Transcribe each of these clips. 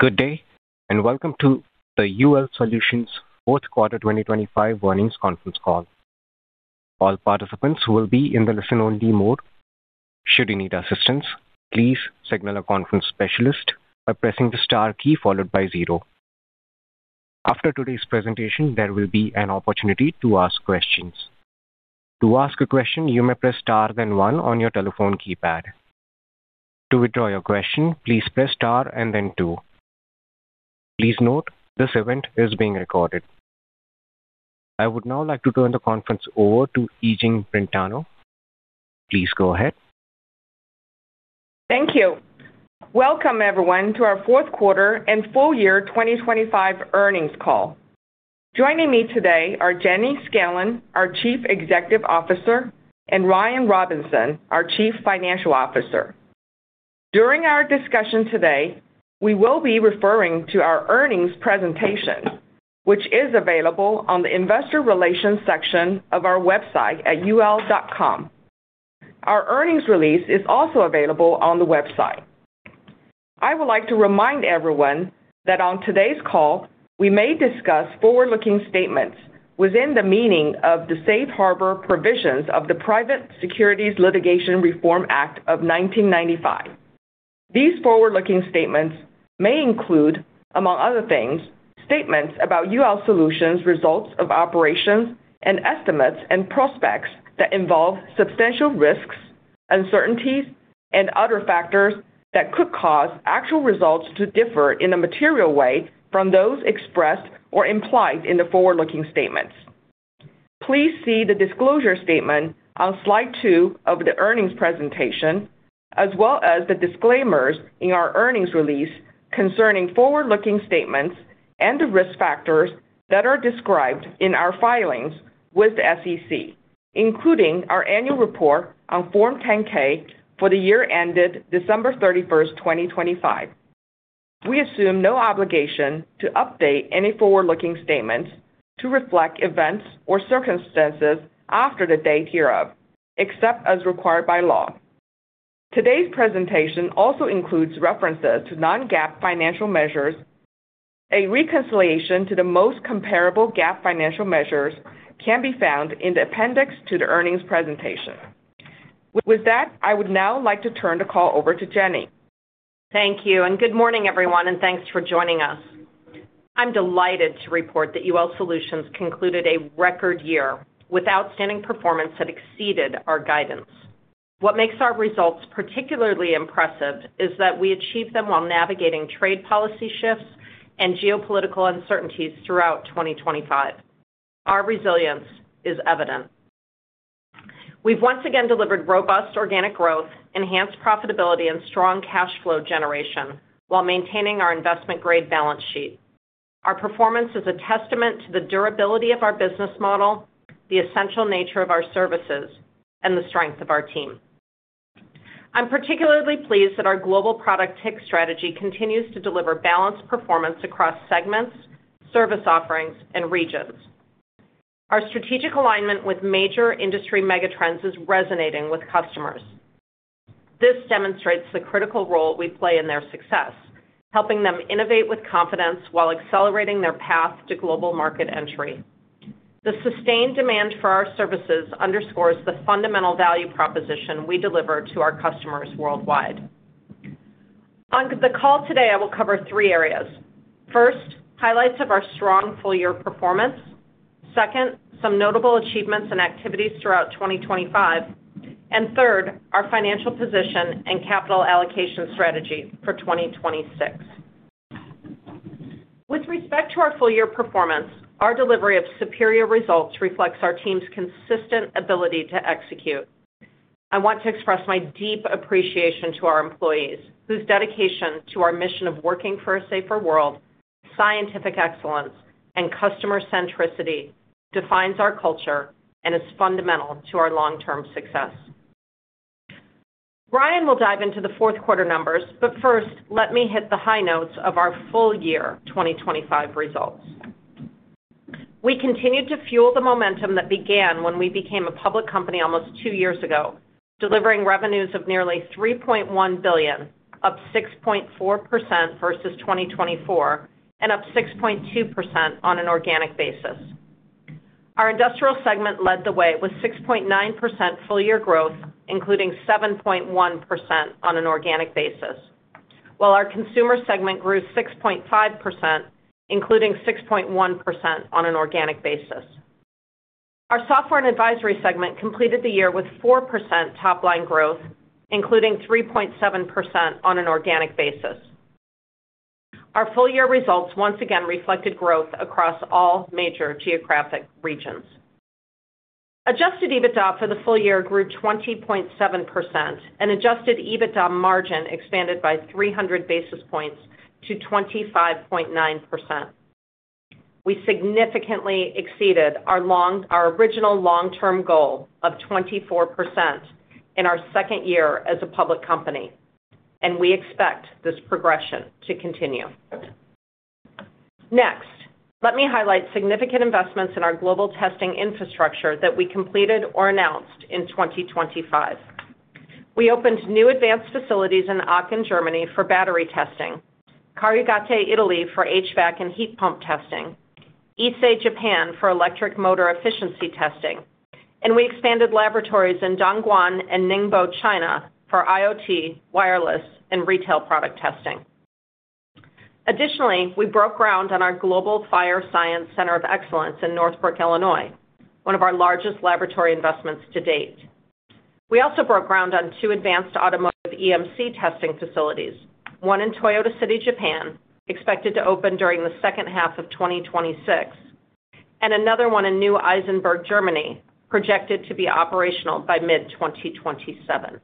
Good day, and welcome to the UL Solutions fourth quarter 2025 earnings conference call. All participants will be in the listen-only mode. Should you need assistance, please signal a conference specialist by pressing the star key followed by zero. After today's presentation, there will be an opportunity to ask questions. To ask a question, you may press star, then one on your telephone keypad. To withdraw your question, please press star and then two. Please note, this event is being recorded. I would now like to turn the conference over to Yijing Brentano. Please go ahead. Thank you. Welcome, everyone, to our fourth quarter and full year 2025 earnings call. Joining me today are Jenny Scanlon, our Chief Executive Officer, and Ryan Robinson, our Chief Financial Officer. During our discussion today, we will be referring to our earnings presentation, which is available on the investor relations section of our website at ul.com. Our earnings release is also available on the website. I would like to remind everyone that on today's call, we may discuss forward-looking statements within the meaning of the safe harbor provisions of the Private Securities Litigation Reform Act of 1995. These forward-looking statements may include, among other things, statements about UL Solutions, results of operations and estimates and prospects that involve substantial risks, uncertainties, and other factors that could cause actual results to differ in a material way from those expressed or implied in the forward-looking statements. Please see the disclosure statement on slide 2 of the earnings presentation, as well as the disclaimers in our earnings release concerning forward-looking statements and the risk factors that are described in our filings with the SEC, including our annual report on Form 10-K for the year ended December 31st, 2025. We assume no obligation to update any forward-looking statements to reflect events or circumstances after the date hereof, except as required by law. Today's presentation also includes references to non-GAAP financial measures. A reconciliation to the most comparable GAAP financial measures can be found in the appendix to the earnings presentation. With that, I would now like to turn the call over to Jenny. Thank you, and good morning, everyone, and thanks for joining us. I'm delighted to report that UL Solutions concluded a record year with outstanding performance that exceeded our guidance. What makes our results particularly impressive is that we achieved them while navigating trade policy shifts and geopolitical uncertainties throughout 2025. Our resilience is evident. We've once again delivered robust organic growth, enhanced profitability, and strong cash flow generation while maintaining our investment-grade balance sheet. Our performance is a testament to the durability of our business model, the essential nature of our services, and the strength of our team. I'm particularly pleased that our global Product iQ strategy continues to deliver balanced performance across segments, service offerings, and regions. Our strategic alignment with major industry megatrends is resonating with customers. This demonstrates the critical role we play in their success, helping them innovate with confidence while accelerating their path to global market entry. The sustained demand for our services underscores the fundamental value proposition we deliver to our customers worldwide. On the call today, I will cover three areas. First, highlights of our strong full-year performance. Second, some notable achievements and activities throughout 2025, and third, our financial position and capital allocation strategy for 2026. With respect to our full-year performance, our delivery of superior results reflects our team's consistent ability to execute. I want to express my deep appreciation to our employees, whose dedication to our mission of working for a safer world, scientific excellence, and customer centricity defines our culture and is fundamental to our long-term success. Ryan will dive into the fourth quarter numbers, but first, let me hit the high notes of our full year 2025 results. We continued to fuel the momentum that began when we became a public company almost two years ago, delivering revenues of nearly $3.1 billion, up 6.4% versus 2024, and up 6.2% on an organic basis. Our industrial segment led the way with 6.9% full-year growth, including 7.1% on an organic basis, while our consumer segment grew 6.5%, including 6.1% on an organic basis. Our software and advisory segment completed the year with 4% top-line growth, including 3.7% on an organic basis. Our full-year results once again reflected growth across all major geographic regions. Adjusted EBITDA for the full year grew 20.7%, and Adjusted EBITDA margin expanded by 300 basis points to 25.9%. We significantly exceeded our original long-term goal of 24% in our second year as a public company, and we expect this progression to continue. Next, let me highlight significant investments in our global testing infrastructure that we completed or announced in 2025. We opened new advanced facilities in Aachen, Germany, for battery testing, Carugate, Italy, for HVAC and heat pump testing, Ise, Japan, for electric motor efficiency testing, and we expanded laboratories in Dongguan and Ningbo, China, for IoT, wireless, and retail product testing. Additionally, we broke ground on our Global Fire Science Center of Excellence in Northbrook, Illinois, one of our largest laboratory investments to date. We also broke ground on two advanced automotive EMC testing facilities, one in Toyota City, Japan, expected to open during the second half of 2026, and another one in Neu-Isenburg, Germany, projected to be operational by mid-2027.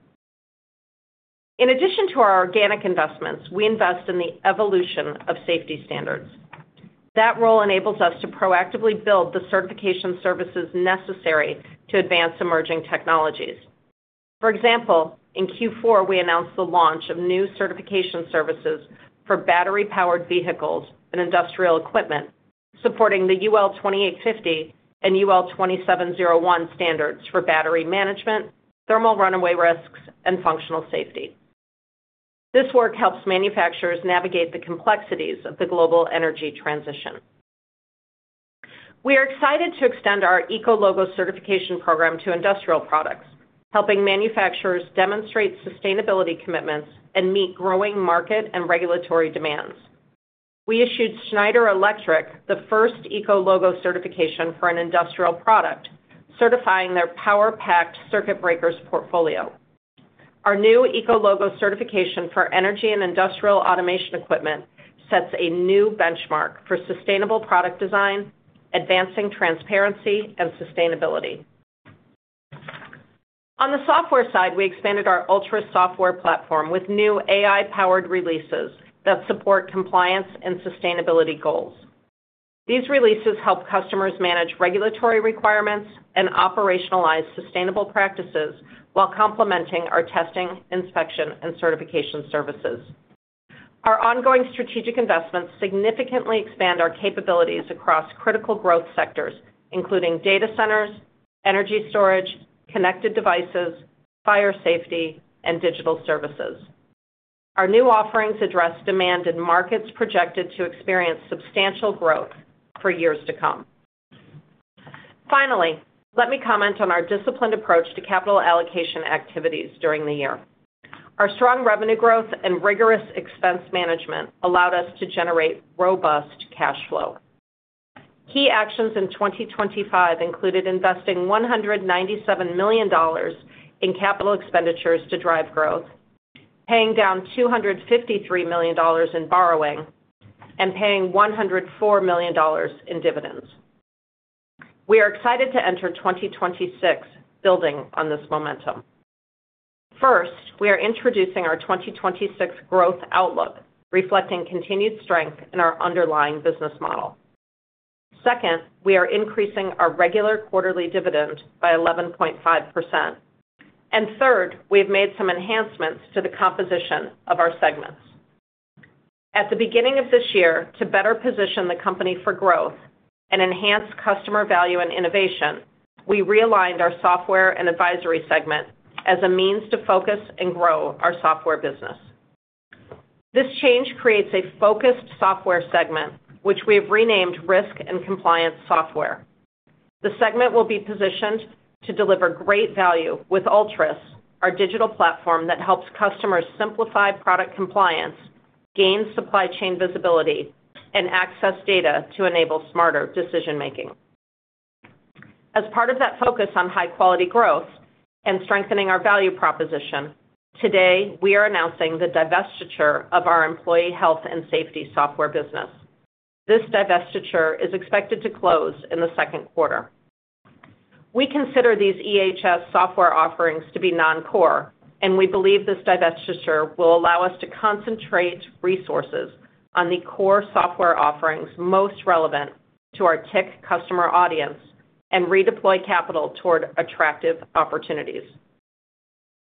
In addition to our organic investments, we invest in the evolution of safety standards. That role enables us to proactively build the certification services necessary to advance emerging technologies. For example, in Q4, we announced the launch of new certification services for battery-powered vehicles and industrial equipment, supporting the UL 2850 and UL 2701 standards for battery management, thermal runaway risks, and functional safety. This work helps manufacturers navigate the complexities of the global energy transition. We are excited to extend our ECOLOGO certification program to industrial products, helping manufacturers demonstrate sustainability commitments and meet growing market and regulatory demands. We issued Schneider Electric the first ECOLOGO certification for an industrial product, certifying their PowerPacT circuit breakers portfolio. Our new ECOLOGO certification for energy and industrial automation equipment sets a new benchmark for sustainable product design, advancing transparency and sustainability. On the software side, we expanded our ULTRUS software platform with new AI-powered releases that support compliance and sustainability goals. These releases help customers manage regulatory requirements and operationalize sustainable practices while complementing our testing, inspection, and certification services. Our ongoing strategic investments significantly expand our capabilities across critical growth sectors, including data centers, energy storage, connected devices, fire safety, and digital services. Our new offerings address demand in markets projected to experience substantial growth for years to come. Finally, let me comment on our disciplined approach to capital allocation activities during the year. Our strong revenue growth and rigorous expense management allowed us to generate robust cash flow. Key actions in 2025 included investing $197 million in capital expenditures to drive growth, paying down $253 million in borrowing, and paying $104 million in dividends. We are excited to enter 2026 building on this momentum. First, we are introducing our 2026 growth outlook, reflecting continued strength in our underlying business model. Second, we are increasing our regular quarterly dividend by 11.5%. And third, we have made some enhancements to the composition of our segments. At the beginning of this year, to better position the company for growth and enhance customer value and innovation, we realigned our software and advisory segment as a means to focus and grow our software business. This change creates a focused software segment, which we have renamed Risk and Compliance Software. The segment will be positioned to deliver great value with ULTRUS, our digital platform that helps customers simplify product compliance, gain supply chain visibility, and access data to enable smarter decision-making. As part of that focus on high-quality growth and strengthening our value proposition, today, we are announcing the divestiture of our employee health and safety software business. This divestiture is expected to close in the second quarter. We consider these EHS software offerings to be non-core, and we believe this divestiture will allow us to concentrate resources on the core software offerings most relevant to our TIC customer audience and redeploy capital toward attractive opportunities.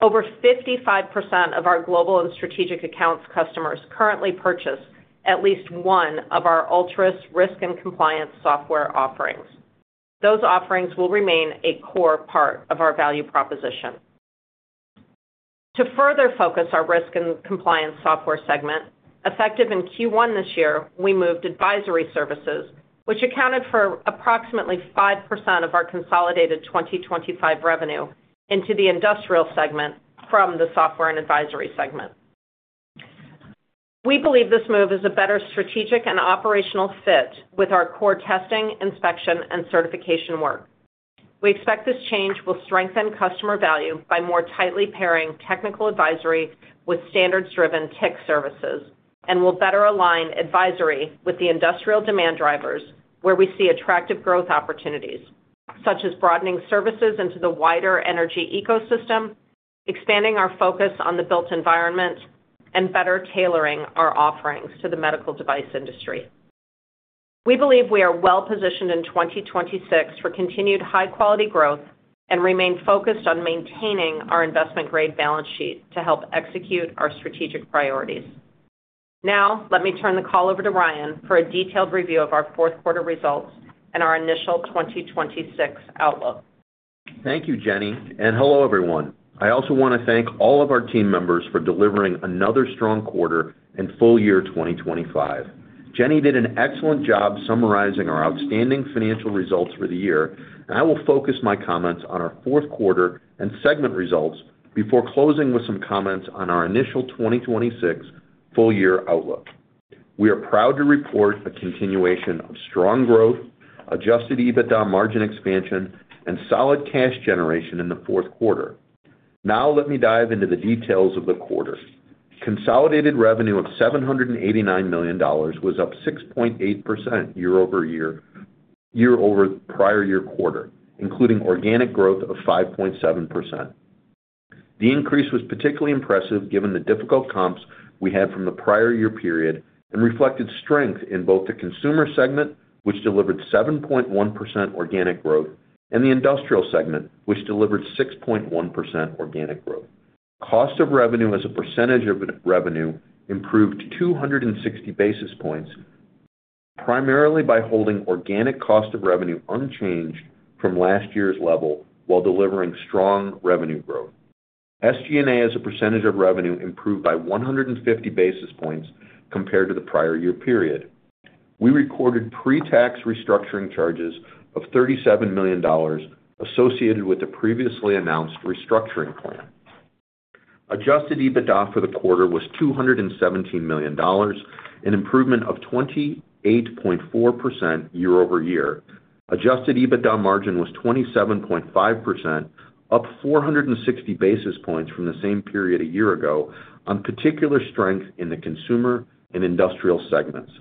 Over 55% of our global and strategic accounts customers currently purchase at least one of our ULTRUS Risk and Compliance Software offerings. Those offerings will remain a core part of our value proposition. To further focus our Risk and Compliance Software Segment, effective in Q1 this year, we moved advisory services, which accounted for approximately 5% of our consolidated 2025 revenue, into the industrial segment from the software and advisory segment. We believe this move is a better strategic and operational fit with our core testing, inspection, and certification work. We expect this change will strengthen customer value by more tightly pairing technical advisory with standards-driven TIC services and will better align advisory with the industrial demand drivers, where we see attractive growth opportunities, such as broadening services into the wider energy ecosystem, expanding our focus on the built environment, and better tailoring our offerings to the medical device industry. We believe we are well-positioned in 2026 for continued high-quality growth... and remain focused on maintaining our investment-grade balance sheet to help execute our strategic priorities. Now, let me turn the call over to Ryan for a detailed review of our fourth quarter results and our initial 2026 outlook. Thank you, Jenny, and hello, everyone. I also want to thank all of our team members for delivering another strong quarter in full year 2025. Jenny did an excellent job summarizing our outstanding financial results for the year, and I will focus my comments on our fourth quarter and segment results before closing with some comments on our initial 2026 full-year outlook. We are proud to report a continuation of strong growth, Adjusted EBITDA margin expansion, and solid cash generation in the fourth quarter. Now let me dive into the details of the quarter. Consolidated revenue of $789 million was up 6.8% year-over-year the prior year quarter, including organic growth of 5.7%. The increase was particularly impressive, given the difficult comps we had from the prior year period, and reflected strength in both the consumer segment, which delivered 7.1% organic growth, and the industrial segment, which delivered 6.1% organic growth. Cost of revenue as a percentage of revenue improved 260 basis points, primarily by holding organic cost of revenue unchanged from last year's level while delivering strong revenue growth. SG&A, as a percentage of revenue, improved by 150 basis points compared to the prior year period. We recorded pre-tax restructuring charges of $37 million associated with the previously announced restructuring plan. Adjusted EBITDA for the quarter was $217 million, an improvement of 28.4% year-over-year. Adjusted EBITDA margin was 27.5%, up 460 basis points from the same period a year ago on particular strength in the consumer and industrial segments.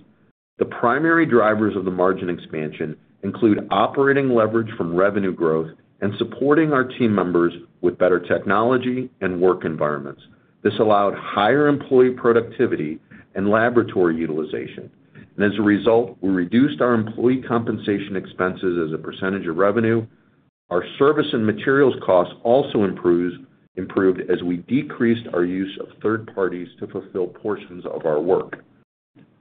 The primary drivers of the margin expansion include operating leverage from revenue growth and supporting our team members with better technology and work environments. This allowed higher employee productivity and laboratory utilization. As a result, we reduced our employee compensation expenses as a percentage of revenue. Our service and materials costs also improved as we decreased our use of third parties to fulfill portions of our work.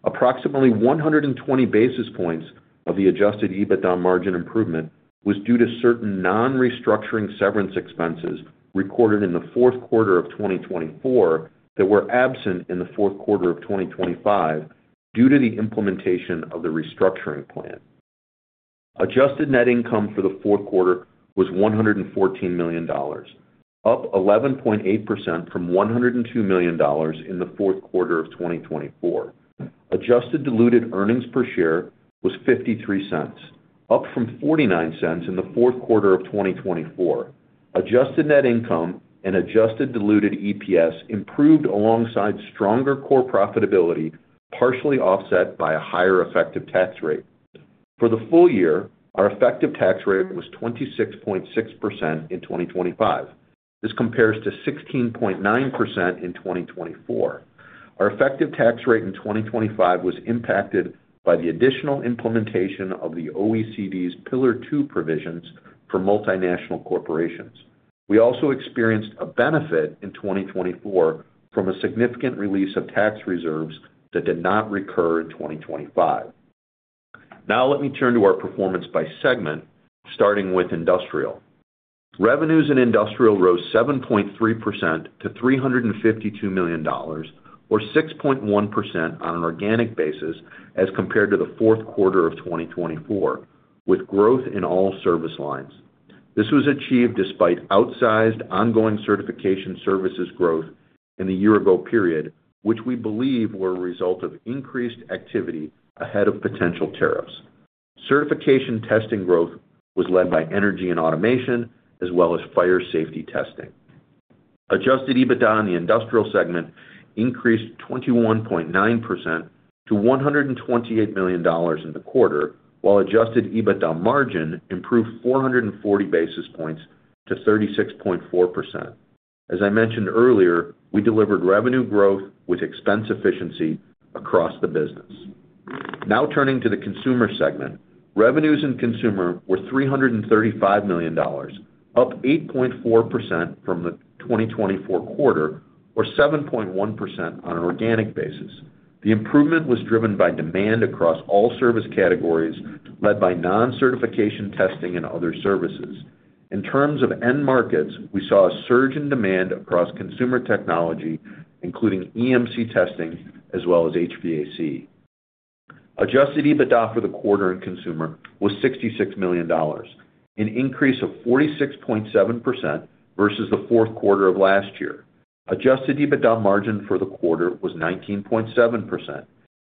Approximately 120 basis points of the Adjusted EBITDA margin improvement was due to certain non-restructuring severance expenses recorded in the fourth quarter of 2024 that were absent in the fourth quarter of 2025 due to the implementation of the restructuring plan. Adjusted net income for the fourth quarter was $114 million, up 11.8% from $102 million in the fourth quarter of 2024. Adjusted diluted earnings per share was $0.53, up from $0.49 in the fourth quarter of 2024. Adjusted net income and adjusted diluted EPS improved alongside stronger core profitability, partially offset by a higher effective tax rate. For the full year, our effective tax rate was 26.6% in 2025. This compares to 16.9% in 2024. Our effective tax rate in 2025 was impacted by the additional implementation of the OECD's Pillar 2 provisions for multinational corporations. We also experienced a benefit in 2024 from a significant release of tax reserves that did not recur in 2025. Now let me turn to our performance by segment, starting with industrial. Revenues in industrial rose 7.3% to $352 million, or 6.1% on an organic basis as compared to the fourth quarter of 2024, with growth in all service lines. This was achieved despite outsized ongoing certification services growth in the year-ago period, which we believe were a result of increased activity ahead of potential tariffs. Certification testing growth was led by energy and automation as well as fire safety testing. Adjusted EBITDA in the industrial segment increased 21.9% to $128 million in the quarter, while Adjusted EBITDA margin improved 440 basis points to 36.4%. As I mentioned earlier, we delivered revenue growth with expense efficiency across the business. Now, turning to the consumer segment. Revenues in consumer were $335 million, up 8.4% from the 2024 quarter or 7.1% on an organic basis. The improvement was driven by demand across all service categories, led by non-certification testing and other services. In terms of end markets, we saw a surge in demand across consumer technology, including EMC testing as well as HVAC. Adjusted EBITDA for the quarter in consumer was $66 million, an increase of 46.7% versus the fourth quarter of last year. Adjusted EBITDA margin for the quarter was 19.7%,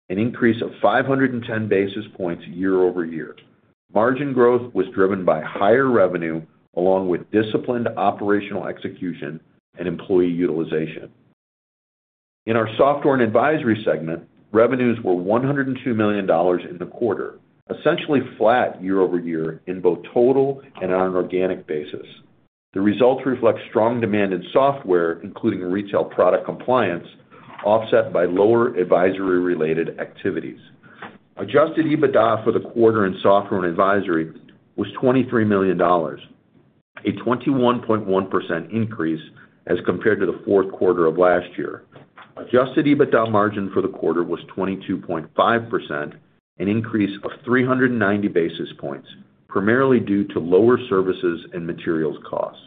an increase of 510 basis points year-over-year. Margin growth was driven by higher revenue, along with disciplined operational execution and employee utilization. In our software and advisory segment, revenues were $102 million in the quarter, essentially flat year-over-year in both total and on an organic basis. The results reflect strong demand in software, including retail product compliance, offset by lower advisory-related activities. Adjusted EBITDA for the quarter in software and advisory was $23 million, a 21.1 increase as compared to the fourth quarter of last year. Adjusted EBITDA margin for the quarter was 22.5%, an increase of 390 basis points, primarily due to lower services and materials costs.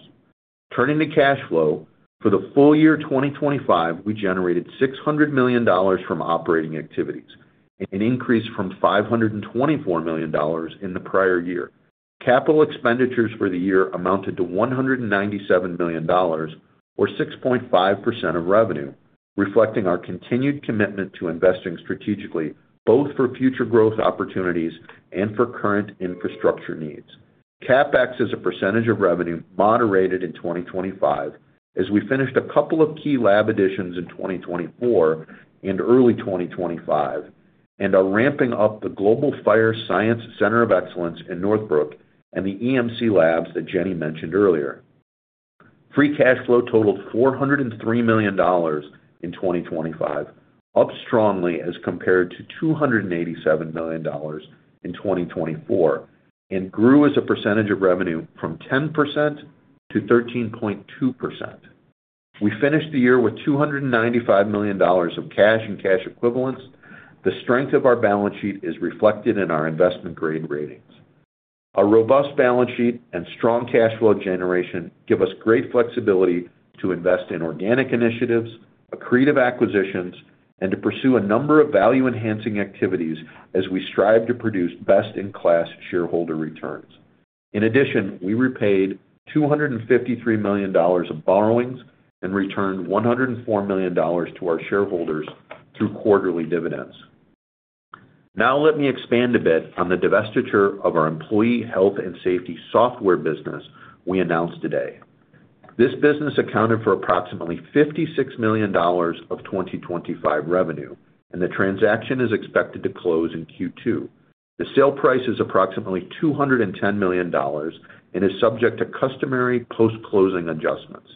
Turning to cash flow, for the full year 2025, we generated $600 million from operating activities, an increase from $524 million in the prior year. Capital expenditures for the year amounted to $197 million, or 6.5% of revenue, reflecting our continued commitment to investing strategically, both for future growth opportunities and for current infrastructure needs. CapEx, as a percentage of revenue, moderated in 2025 as we finished a couple of key lab additions in 2024 and early 2025, and are ramping up the Global Fire Science Center of Excellence in Northbrook and the EMC labs that Jenny mentioned earlier. Free cash flow totaled $403 million in 2025, up strongly as compared to $287 million in 2024, and grew as a percentage of revenue from 10% to 13.2%. We finished the year with $295 million of cash and cash equivalents. The strength of our balance sheet is reflected in our investment-grade ratings. A robust balance sheet and strong cash flow generation give us great flexibility to invest in organic initiatives, accretive acquisitions, and to pursue a number of value-enhancing activities as we strive to produce best-in-class shareholder returns. In addition, we repaid $253 million of borrowings and returned $104 million to our shareholders through quarterly dividends. Now, let me expand a bit on the divestiture of our employee health and safety software business we announced today. This business accounted for approximately $56 million of 2025 revenue, and the transaction is expected to close in Q2. The sale price is approximately $210 million and is subject to customary post-closing adjustments.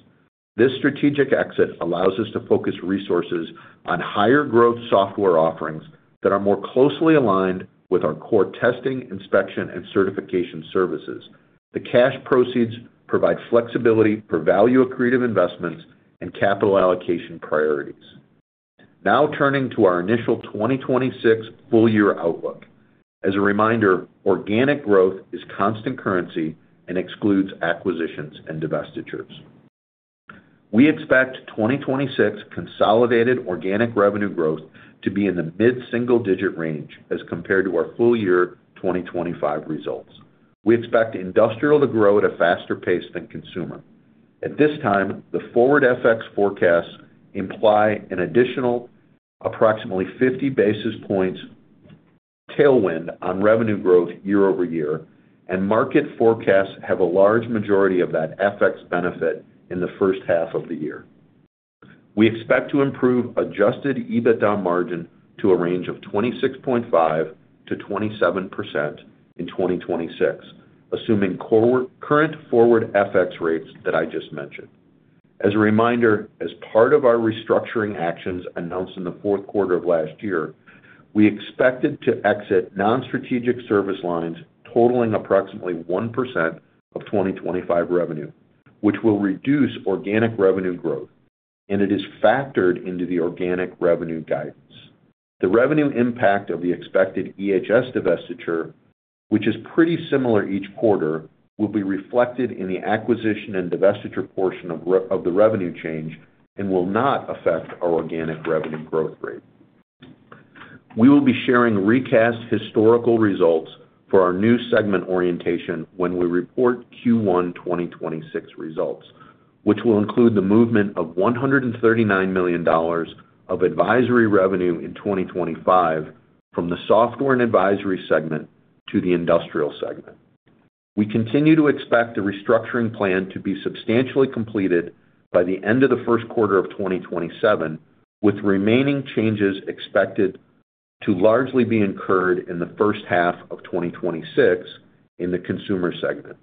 This strategic exit allows us to focus resources on higher-growth software offerings that are more closely aligned with our core testing, inspection, and certification services. The cash proceeds provide flexibility for value accretive investments and capital allocation priorities. Now turning to our initial 2026 full-year outlook. As a reminder, organic growth is constant currency and excludes acquisitions and divestitures. We expect 2026 consolidated organic revenue growth to be in the mid-single digit range as compared to our full year 2025 results. We expect industrial to grow at a faster pace than consumer. At this time, the forward FX forecasts imply an additional approximately 50 basis points tailwind on revenue growth year-over-year, and market forecasts have a large majority of that FX benefit in the first half of the year. We expect to improve Adjusted EBITDA margin to a range of 26.5%-27% in 2026, assuming current forward FX rates that I just mentioned. As a reminder, as part of our restructuring actions announced in the fourth quarter of last year, we expected to exit non-strategic service lines totaling approximately 1% of 2025 revenue, which will reduce organic revenue growth, and it is factored into the organic revenue guidance. The revenue impact of the expected EHS divestiture, which is pretty similar each quarter, will be reflected in the acquisition and divestiture portion of the revenue change and will not affect our organic revenue growth rate. We will be sharing recast historical results for our new segment orientation when we report Q1 2026 results, which will include the movement of $139 million of advisory revenue in 2025 from the software and advisory segment to the industrial segment. We continue to expect the restructuring plan to be substantially completed by the end of the first quarter of 2027, with remaining changes expected to largely be incurred in the first half of 2026 in the consumer segment.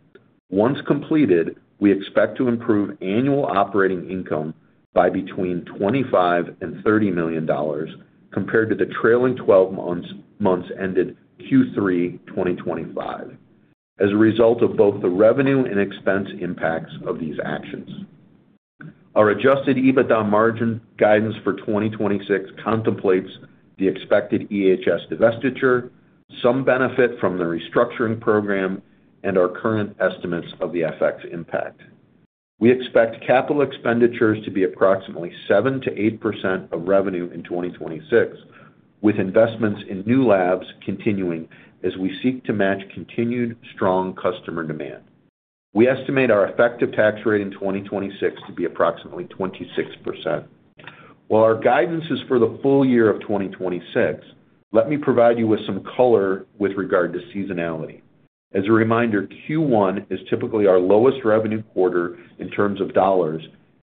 Once completed, we expect to improve annual operating income by between $25 million and $30 million compared to the trailing twelve months, months ended Q3 2025, as a result of both the revenue and expense impacts of these actions. Our Adjusted EBITDA margin guidance for 2026 contemplates the expected EHS divestiture, some benefit from the restructuring program, and our current estimates of the FX impact. We expect capital expenditures to be approximately 7%-8% of revenue in 2026, with investments in new labs continuing as we seek to match continued strong customer demand. We estimate our effective tax rate in 2026 to be approximately 26%. While our guidance is for the full year of 2026, let me provide you with some color with regard to seasonality. As a reminder, Q1 is typically our lowest revenue quarter in terms of dollars,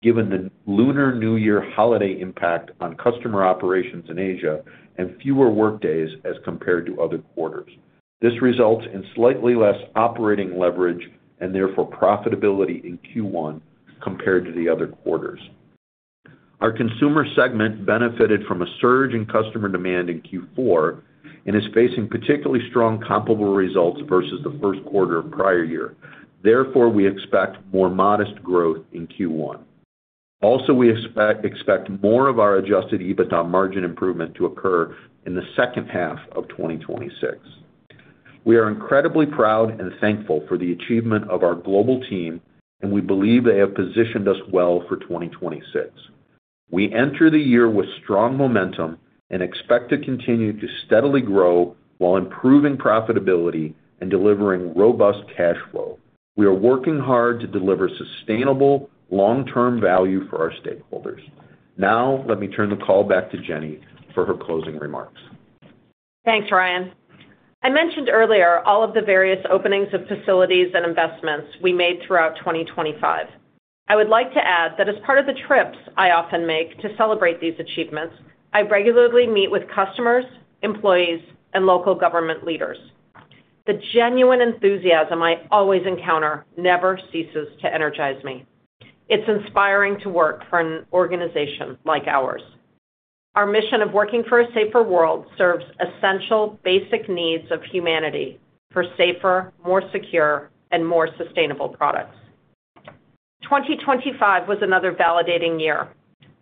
given the Lunar New Year holiday impact on customer operations in Asia and fewer workdays as compared to other quarters. This results in slightly less operating leverage and therefore profitability in Q1 compared to the other quarters.... Our consumer segment benefited from a surge in customer demand in Q4 and is facing particularly strong comparable results versus the first quarter of prior year. Therefore, we expect more modest growth in Q1. Also, we expect more of our Adjusted EBITDA margin improvement to occur in the second half of 2026. We are incredibly proud and thankful for the achievement of our global team, and we believe they have positioned us well for 2026. We enter the year with strong momentum and expect to continue to steadily grow while improving profitability and delivering robust cash flow. We are working hard to deliver sustainable, long-term value for our stakeholders. Now, let me turn the call back to Jenny for her closing remarks. Thanks, Ryan. I mentioned earlier all of the various openings of facilities and investments we made throughout 2025. I would like to add that as part of the trips I often make to celebrate these achievements, I regularly meet with customers, employees, and local government leaders. The genuine enthusiasm I always encounter never ceases to energize me. It's inspiring to work for an organization like ours. Our mission of working for a safer world serves essential basic needs of humanity for safer, more secure, and more sustainable products. 2025 was another validating year.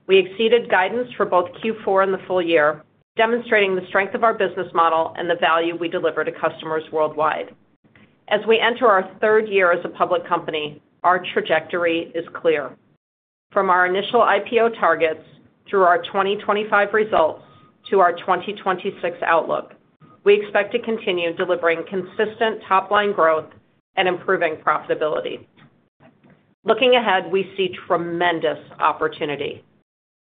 We exceeded guidance for both Q4 and the full year, demonstrating the strength of our business model and the value we deliver to customers worldwide. As we enter our third year as a public company, our trajectory is clear. From our initial IPO targets, through our 2025 results, to our 2026 outlook, we expect to continue delivering consistent top-line growth and improving profitability. Looking ahead, we see tremendous opportunity.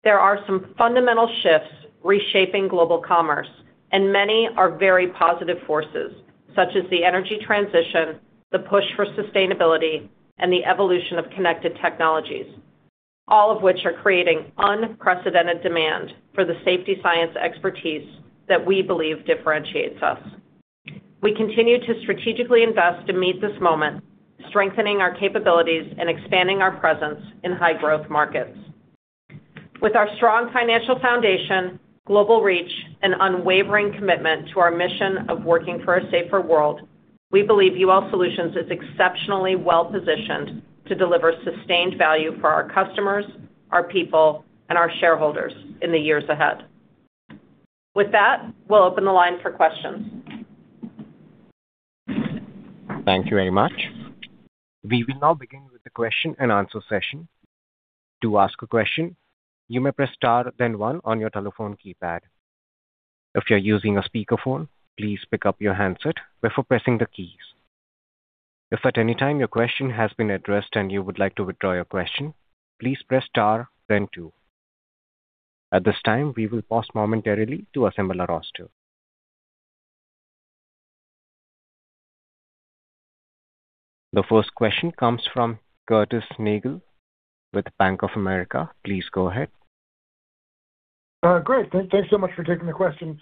There are some fundamental shifts reshaping global commerce, and many are very positive forces, such as the energy transition, the push for sustainability, and the evolution of connected technologies, all of which are creating unprecedented demand for the safety science expertise that we believe differentiates us. We continue to strategically invest to meet this moment, strengthening our capabilities and expanding our presence in high-growth markets. With our strong financial foundation, global reach, and unwavering commitment to our mission of working for a safer world, we believe UL Solutions is exceptionally well-positioned to deliver sustained value for our customers, our people, and our shareholders in the years ahead. With that, we'll open the line for questions. Thank you very much. We will now begin with the question and answer session. To ask a question, you may press star, then one on your telephone keypad. If you're using a speakerphone, please pick up your handset before pressing the keys. If at any time your question has been addressed and you would like to withdraw your question, please press star, then two. At this time, we will pause momentarily to assemble our roster. The first question comes from Curtis Nagle with Bank of America. Please go ahead. Great. Thanks so much for taking the question.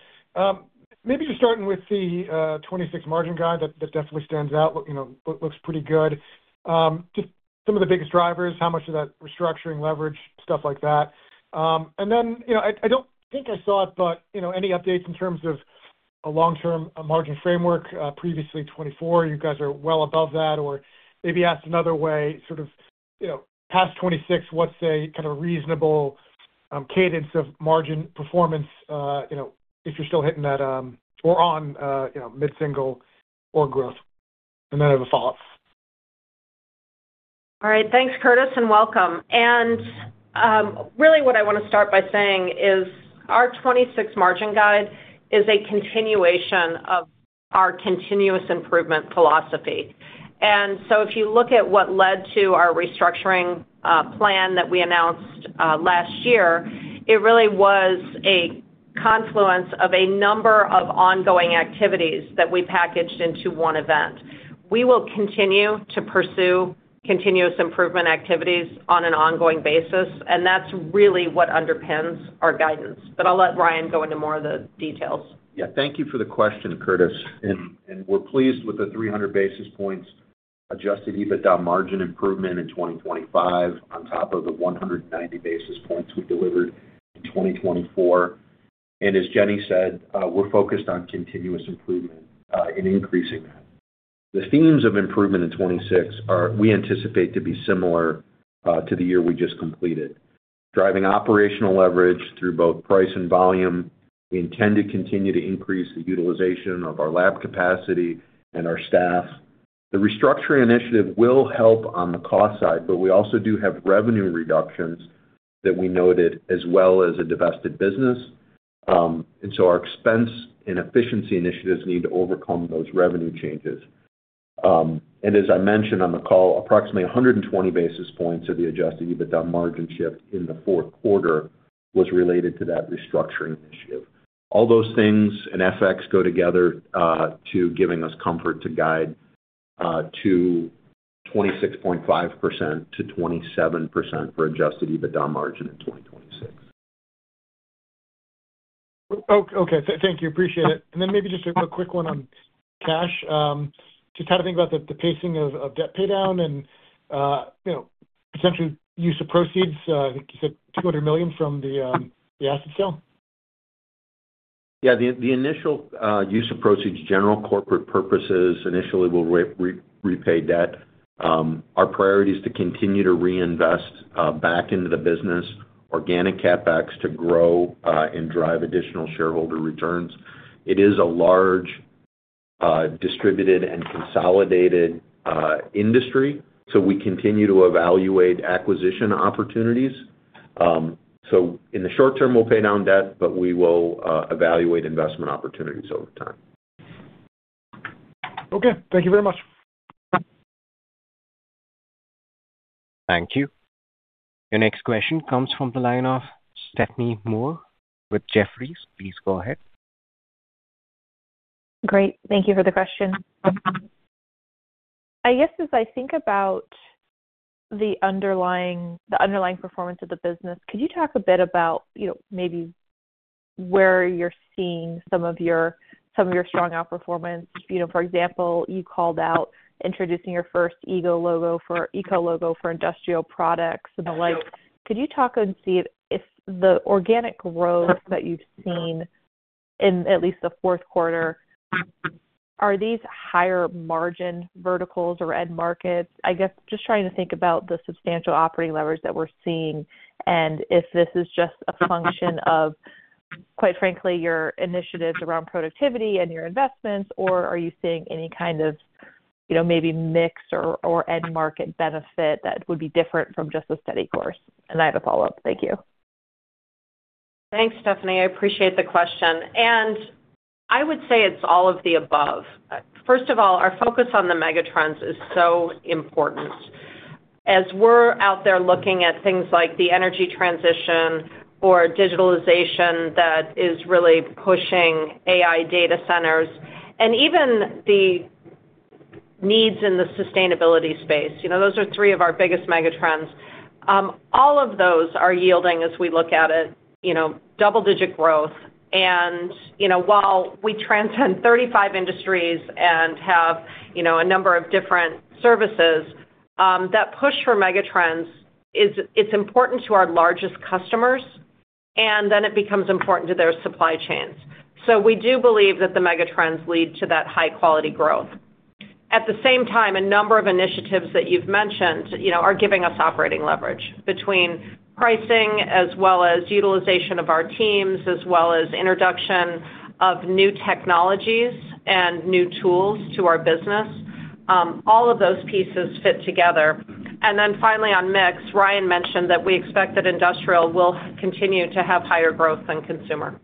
Maybe just starting with the 2026 margin guide, that definitely stands out, you know, looks pretty good. Just some of the biggest drivers, how much of that restructuring leverage, stuff like that? And then, you know, I don't think I saw it, but, you know, any updates in terms of a long-term margin framework? Previously 2024, you guys are well above that. Or maybe asked another way, sort of, you know, past 2026, what's a kind of reasonable cadence of margin performance, you know, if you're still hitting that, or on, you know, mid-single or growth? And then I have a follow-up. All right. Thanks, Curtis, and welcome. And, really what I want to start by saying is our 26 margin guide is a continuation of our continuous improvement philosophy. And so if you look at what led to our restructuring plan that we announced last year, it really was a confluence of a number of ongoing activities that we packaged into one event. We will continue to pursue continuous improvement activities on an ongoing basis, and that's really what underpins our guidance. But I'll let Ryan go into more of the details. Yeah, thank you for the question, Curtis. And we're pleased with the 300 basis points Adjusted EBITDA margin improvement in 2025, on top of the 190 basis points we delivered in 2024. And as Jenny said, we're focused on continuous improvement, and increasing that. The themes of improvement in 2026 are, we anticipate to be similar, to the year we just completed. Driving operational leverage through both price and volume, we intend to continue to increase the utilization of our lab capacity and our staff. The restructuring initiative will help on the cost side, but we also do have revenue reductions that we noted, as well as a divested business. And so our expense and efficiency initiatives need to overcome those revenue changes. As I mentioned on the call, approximately 120 basis points of the Adjusted EBITDA margin shift in the fourth quarter was related to that restructuring initiative. All those things and FX go together to giving us comfort to guide to 26.5%-27% for Adjusted EBITDA margin in 2026. Okay. Thank you. Appreciate it. And then maybe just a real quick one on cash. Just how to think about the pacing of debt pay down and, you know, potentially use of proceeds. I think you said $200 million from the asset sale. Yeah, the initial use of proceeds, general corporate purposes, initially will repay debt. Our priority is to continue to reinvest back into the business, organic CapEx to grow, and drive additional shareholder returns. It is a large, distributed and consolidated industry, so we continue to evaluate acquisition opportunities. So in the short term, we'll pay down debt, but we will evaluate investment opportunities over time. Okay, thank you very much. Thank you. Your next question comes from the line of Stephanie Moore with Jefferies. Please go ahead. Great. Thank you for the question. I guess, as I think about the underlying, the underlying performance of the business, could you talk a bit about, you know, maybe where you're seeing some of your, some of your strong outperformance? You know, for example, you called out introducing your first ECOLOGO for industrial products and the like. Could you talk and see if, if the organic growth that you've seen in at least the fourth quarter, are these higher margin verticals or end markets? I guess, just trying to think about the substantial operating leverage that we're seeing, and if this is just a function of, quite frankly, your initiatives around productivity and your investments, or are you seeing any kind of, you know, maybe mix or, or end market benefit that would be different from just a steady course? And I have a follow-up. Thank you. Thanks, Stephanie. I appreciate the question, and I would say it's all of the above. First of all, our focus on the megatrends is so important. As we're out there looking at things like the energy transition or digitalization that is really pushing AI data centers, and even the needs in the sustainability space, you know, those are three of our biggest megatrends. All of those are yielding as we look at it, you know, double-digit growth. And, you know, while we transcend 35 industries and have, you know, a number of different services, that push for megatrends is—it's important to our largest customers, and then it becomes important to their supply chains. So we do believe that the megatrends lead to that high quality growth. At the same time, a number of initiatives that you've mentioned, you know, are giving us operating leverage between pricing, as well as utilization of our teams, as well as introduction of new technologies and new tools to our business. All of those pieces fit together. And then finally, on mix, Ryan mentioned that we expect that industrial will continue to have higher growth than consumer.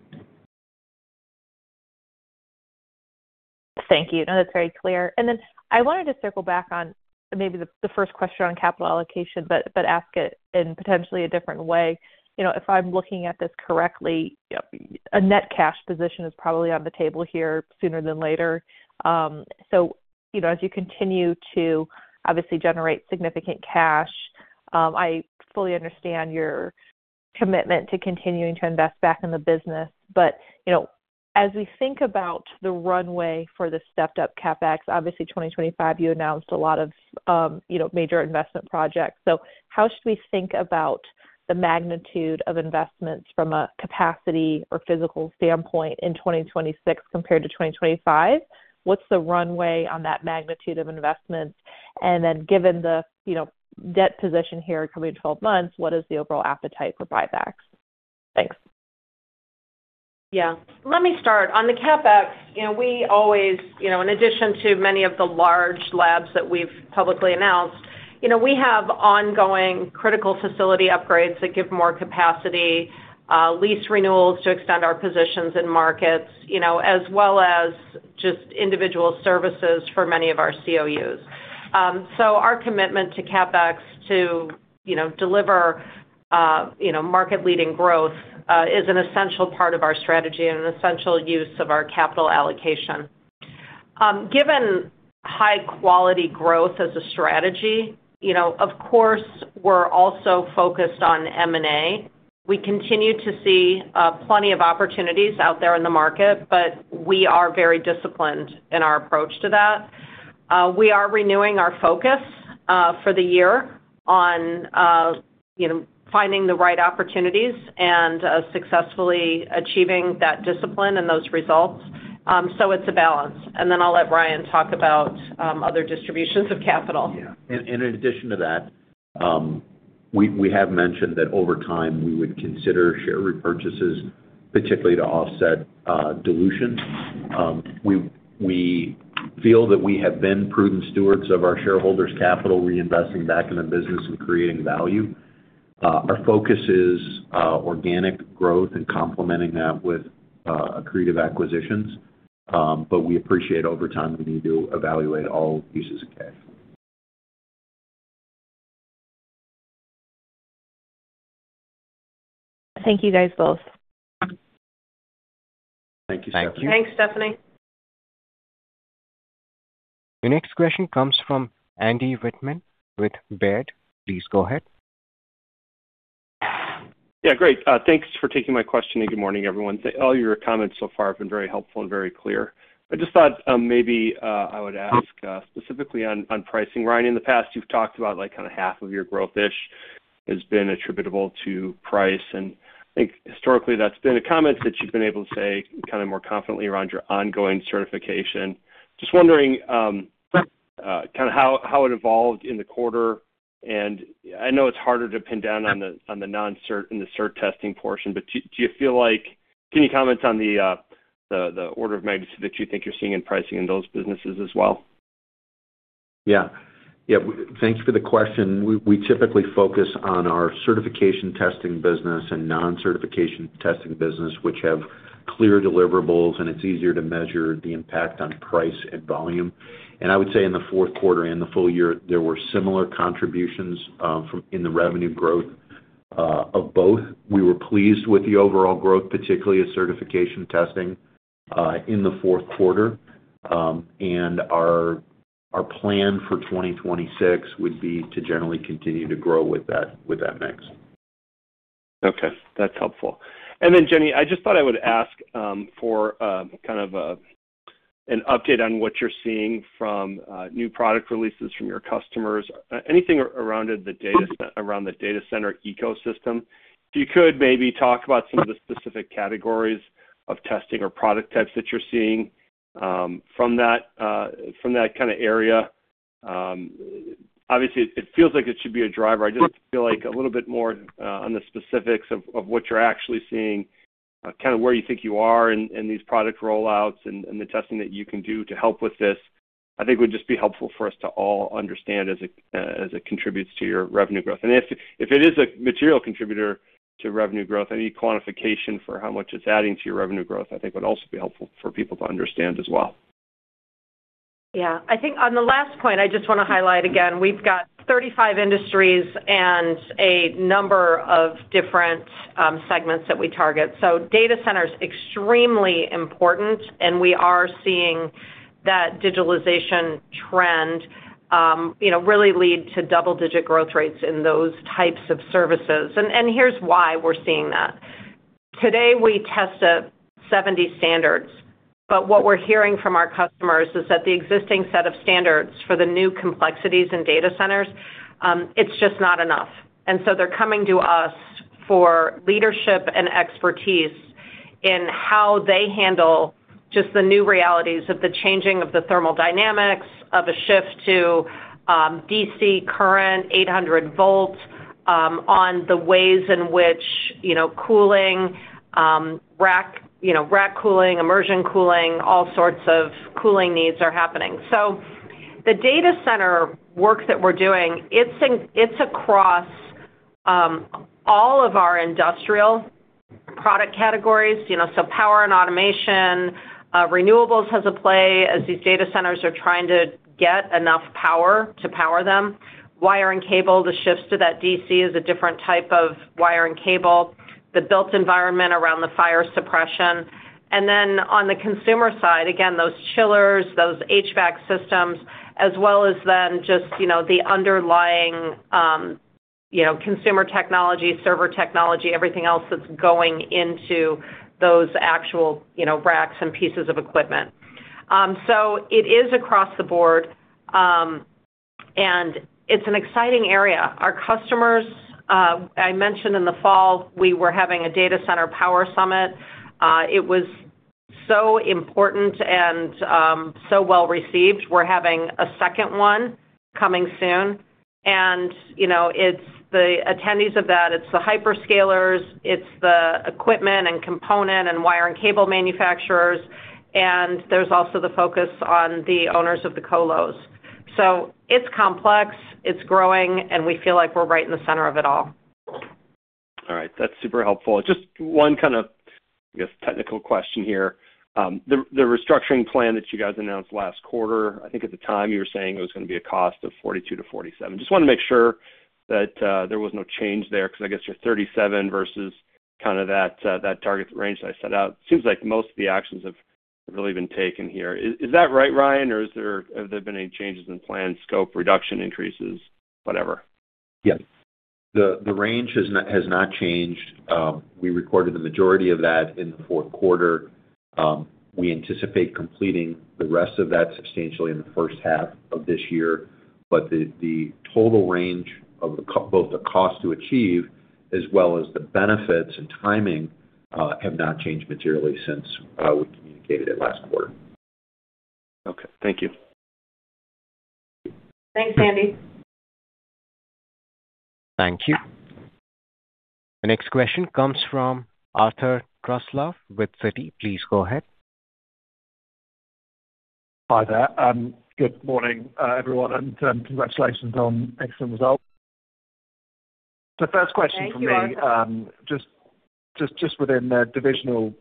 Thank you. No, that's very clear. And then I wanted to circle back on maybe the first question on capital allocation, but ask it in potentially a different way. You know, if I'm looking at this correctly, yep, a net cash position is probably on the table here sooner than later. So, you know, as you continue to obviously generate significant cash, I fully understand your commitment to continuing to invest back in the business. But, you know, as we think about the runway for the stepped-up CapEx, obviously, 2025, you announced a lot of, you know, major investment projects. So how should we think about the magnitude of investments from a capacity or physical standpoint in 2026 compared to 2025? What's the runway on that magnitude of investments? Given the, you know, debt position here in the coming 12 months, what is the overall appetite for buybacks? Thanks. Yeah. Let me start. On the CapEx, you know, we always, you know, in addition to many of the large labs that we've publicly announced, you know, we have ongoing critical facility upgrades that give more capacity, lease renewals to extend our positions in markets, you know, as well as just individual services for many of our COUs. So our commitment to CapEx to, you know, deliver, you know, market-leading growth, is an essential part of our strategy and an essential use of our capital allocation. Given high quality growth as a strategy, you know, of course, we're also focused on M&A. We continue to see, plenty of opportunities out there in the market, but we are very disciplined in our approach to that. We are renewing our focus for the year on, you know, finding the right opportunities and successfully achieving that discipline and those results. So it's a balance, and then I'll let Ryan talk about other distributions of capital. Yeah. And in addition to that, we have mentioned that over time, we would consider share repurchases, particularly to offset dilution. We feel that we have been prudent stewards of our shareholders' capital, reinvesting back in the business and creating value. Our focus is organic growth and complementing that with accretive acquisitions, but we appreciate over time, we need to evaluate all pieces of cash. Thank you, guys, both. Thank you, Stephanie. Thanks, Stephanie. The next question comes from Andy Wittman with Baird. Please go ahead. Yeah, great. Thanks for taking my question, and good morning, everyone. All your comments so far have been very helpful and very clear. I just thought, maybe, I would ask, specifically on, on pricing. Ryan, in the past, you've talked about, like, kind of half of your growth-ish has been attributable to price. And I think historically, that's been a comment that you've been able to say kind of more confidently around your ongoing certification. Just wondering, kind of how, how it evolved in the quarter. And I know it's harder to pin down on the, on the non-cert and the cert testing portion, but do, do you feel like—can you comment on the, the, the order of magnitude that you think you're seeing in pricing in those businesses as well? Yeah. Yeah, thank you for the question. We typically focus on our certification testing business and non-certification testing business, which have clear deliverables, and it's easier to measure the impact on price and volume. I would say in the fourth quarter and the full year, there were similar contributions in the revenue growth of both. We were pleased with the overall growth, particularly at certification testing in the fourth quarter. Our plan for 2026 would be to generally continue to grow with that mix. Okay, that's helpful. And then, Jenny, I just thought I would ask for kind of an update on what you're seeing from new product releases from your customers. Anything around the data, around the data center ecosystem. If you could maybe talk about some of the specific categories of testing or product types that you're seeing from that, from that kind of area. Obviously, it feels like it should be a driver. I just feel like a little bit more on the specifics of what you're actually seeing, kind of where you think you are in these product rollouts and the testing that you can do to help with this, I think would just be helpful for us to all understand as it contributes to your revenue growth. And if it is a material contributor to revenue growth, any quantification for how much it's adding to your revenue growth, I think would also be helpful for people to understand as well. Yeah. I think on the last point, I just want to highlight again, we've got 35 industries and a number of different segments that we target. So data center is extremely important, and we are seeing that digitalization trend, you know, really lead to double-digit growth rates in those types of services. And, and here's why we're seeing that. Today, we test 70 standards, but what we're hearing from our customers is that the existing set of standards for the new complexities in data centers, it's just not enough. And so they're coming to us for leadership and expertise in how they handle just the new realities of the changing of the thermal dynamics, of a shift to DC current, 800 volts, on the ways in which, you know, cooling, rack, you know, rack cooling, immersion cooling, all sorts of cooling needs are happening. So the data center work that we're doing, it's across all of our industrial product categories. You know, so power and automation, renewables has a play as these data centers are trying to get enough power to power them. Wire and cable, the shifts to that DC is a different type of wire and cable, the built environment around the fire suppression. And then on the consumer side, again, those chillers, those HVAC systems, as well as then just, you know, the underlying, you know, consumer technology, server technology, everything else that's going into those actual, you know, racks and pieces of equipment. So it is across the board, and it's an exciting area. Our customers, I mentioned in the fall, we were having a data center power summit. It was so important and, so well-received. We're having a second one coming soon, and, you know, it's the attendees of that, it's the hyperscalers, it's the equipment and component and wire and cable manufacturers, and there's also the focus on the owners of the colos. So it's complex, it's growing, and we feel like we're right in the center of it all. All right. That's super helpful. Just one kind of, I guess, technical question here. The restructuring plan that you guys announced last quarter, I think at the time you were saying it was gonna be a cost of $42-$47. Just want to make sure that there was no change there because I guess you're $37 versus kind of that target range that I set out. Seems like most of the actions have really been taken here. Is that right, Ryan, or have there been any changes in plan, scope, reduction, increases, whatever? Yes. The range has not changed. We recorded the majority of that in the fourth quarter. We anticipate completing the rest of that substantially in the first half of this year. But the total range of both the cost to achieve as well as the benefits and timing have not changed materially since we communicated it last quarter. Okay. Thank you. Thanks, Andy. Thank you. The next question comes from Arthur Truslove with Citi. Please go ahead. Hi there. Good morning, everyone, and congratulations on excellent results. First question for me- Thank you, Arthur. Just within the divisional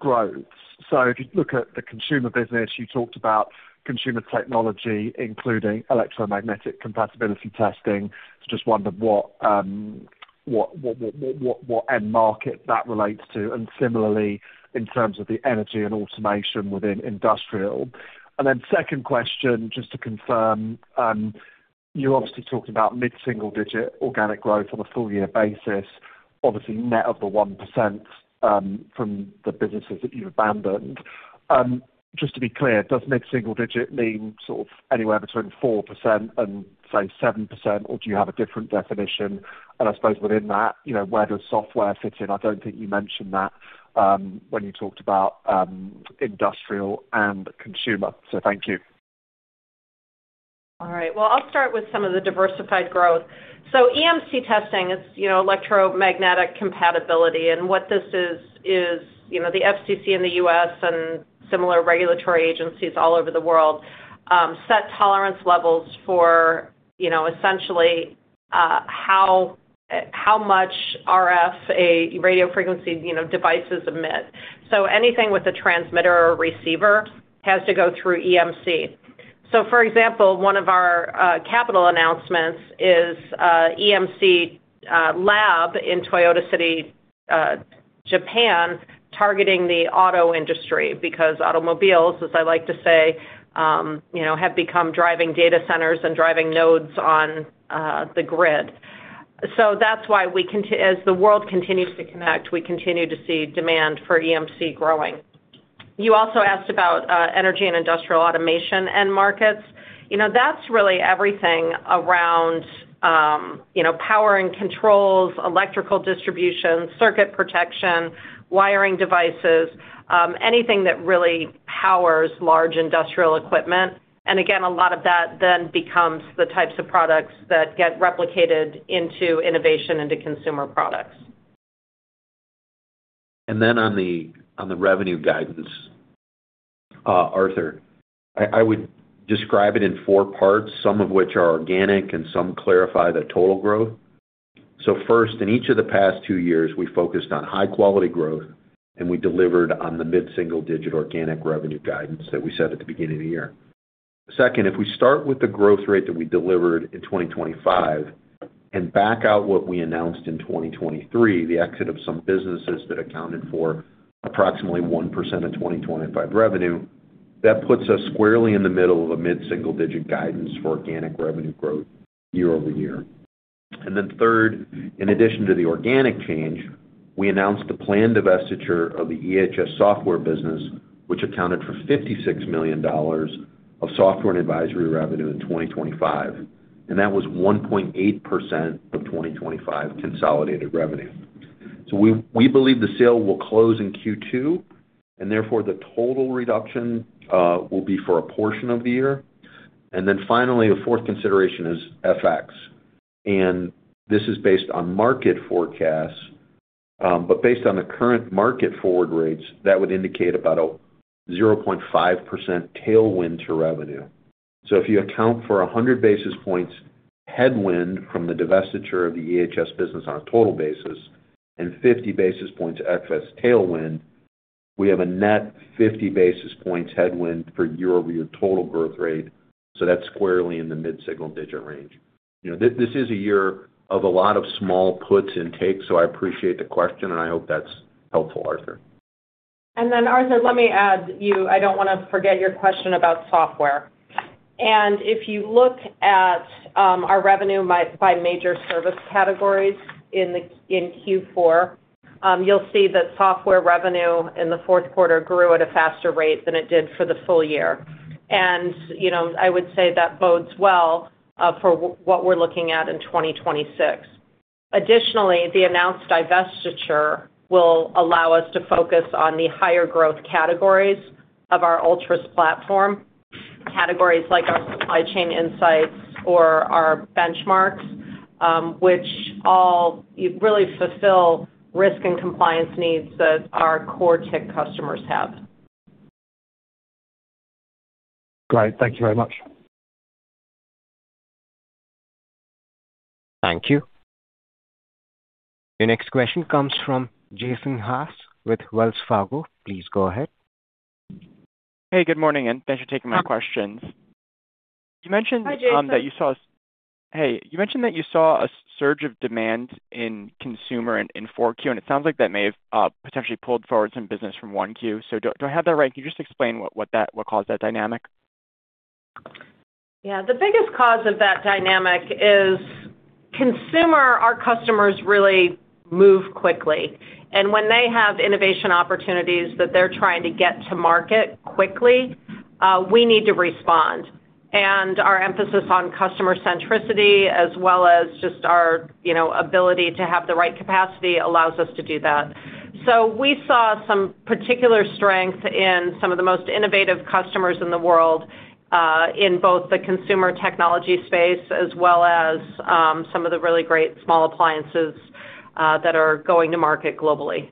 growth. So if you look at the consumer business, you talked about consumer technology, including electromagnetic compatibility testing. So just wondered what end market that relates to, and similarly, in terms of the energy and automation within industrial. And then second question, just to confirm, you obviously talked about mid-single digit organic growth on a full year basis, obviously net of the 1% from the businesses that you've abandoned. Just to be clear, does mid-single digit mean sort of anywhere between 4% and say, 7%, or do you have a different definition? And I suppose within that, you know, where does software fit in? I don't think you mentioned that when you talked about industrial and consumer. So thank you. All right. Well, I'll start with some of the diversified growth. So EMC testing is, you know, electromagnetic compatibility, and what this is, is you know, the FCC in the U.S. and similar regulatory agencies all over the world set tolerance levels for, you know, essentially how much RF, a radio frequency, you know, devices emit. So anything with a transmitter or receiver has to go through EMC. So for example, one of our capital announcements is EMC lab in Toyota City, Japan, targeting the auto industry because automobiles, as I like to say, you know, have become driving data centers and driving nodes on the grid. So that's why as the world continues to connect, we continue to see demand for EMC growing. You also asked about energy and industrial automation and markets. You know, that's really everything around, you know, power and controls, electrical distribution, circuit protection, wiring devices, anything that really powers large industrial equipment. And again, a lot of that then becomes the types of products that get replicated into innovation, into consumer products. And then on the revenue guidance, Arthur, I would describe it in four parts, some of which are organic and some clarify the total growth. So first, in each of the past two years, we focused on high quality growth, and we delivered on the mid-single-digit organic revenue guidance that we set at the beginning of the year. Second, if we start with the growth rate that we delivered in 2025 and back out what we announced in 2023, the exit of some businesses that accounted for approximately 1% of 2025 revenue, that puts us squarely in the middle of a mid-single-digit guidance for organic revenue growth year-over-year. And then third, in addition to the organic change, we announced the planned divestiture of the EHS Software business, which accounted for $56 million of software and advisory revenue in 2025, and that was 1.8% of 2025 consolidated revenue. So we, we believe the sale will close in Q2, and therefore, the total reduction will be for a portion of the year. And then finally, a fourth consideration is FX, and this is based on market forecasts, but based on the current market forward rates, that would indicate about a 0.5% tailwind to revenue. So if you account for 100 basis points headwind from the divestiture of the EHS Software business on a total basis, and 50 basis points FX tailwind, we have a net 50 basis points headwind for year-over-year total growth rate. So that's squarely in the mid-single-digit range. You know, this, this is a year of a lot of small puts and takes, so I appreciate the question, and I hope that's helpful, Arthur. Then, Arthur, let me add, you, I don't want to forget your question about software. And if you look at our revenue by major service categories in Q4, you'll see that software revenue in the fourth quarter grew at a faster rate than it did for the full year. And, you know, I would say that bodes well for what we're looking at in 2026. Additionally, the announced divestiture will allow us to focus on the higher growth categories of our ULTRUS platform. Categories like our supply chain insights or our benchmarks, which all really fulfill risk and compliance needs that our core TIC customers have. Great. Thank you very much. Thank you. Your next question comes from Jason Haas with Wells Fargo. Please go ahead. Hey, good morning, and thanks for taking my questions. Hi, Jason. You mentioned that you saw a surge of demand in consumer and in 4Q, and it sounds like that may have potentially pulled forward some business from 1Q. So do I have that right? Can you just explain what that—what caused that dynamic? Yeah. The biggest cause of that dynamic is consumer. Our customers really move quickly, and when they have innovation opportunities that they're trying to get to market quickly, we need to respond. And our emphasis on customer centricity, as well as just our, you know, ability to have the right capacity, allows us to do that. So we saw some particular strength in some of the most innovative customers in the world, in both the consumer technology space as well as, some of the really great small appliances, that are going to market globally.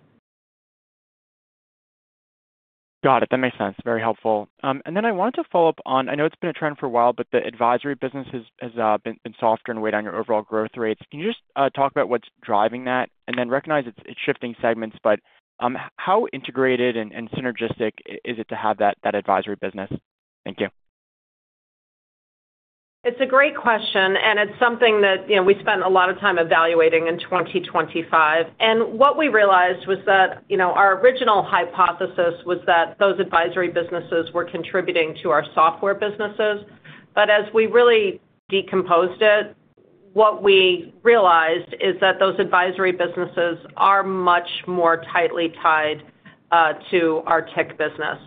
Got it. That makes sense. Very helpful. And then I wanted to follow up on, I know it's been a trend for a while, but the advisory business has been softer and weighed on your overall growth rates. Can you just talk about what's driving that? And then recognize it's shifting segments, but how integrated and synergistic is it to have that advisory business? Thank you. It's a great question, and it's something that, you know, we spent a lot of time evaluating in 2025. And what we realized was that, you know, our original hypothesis was that those advisory businesses were contributing to our software businesses. But as we really decomposed it, what we realized is that those advisory businesses are much more tightly tied to our TIC business.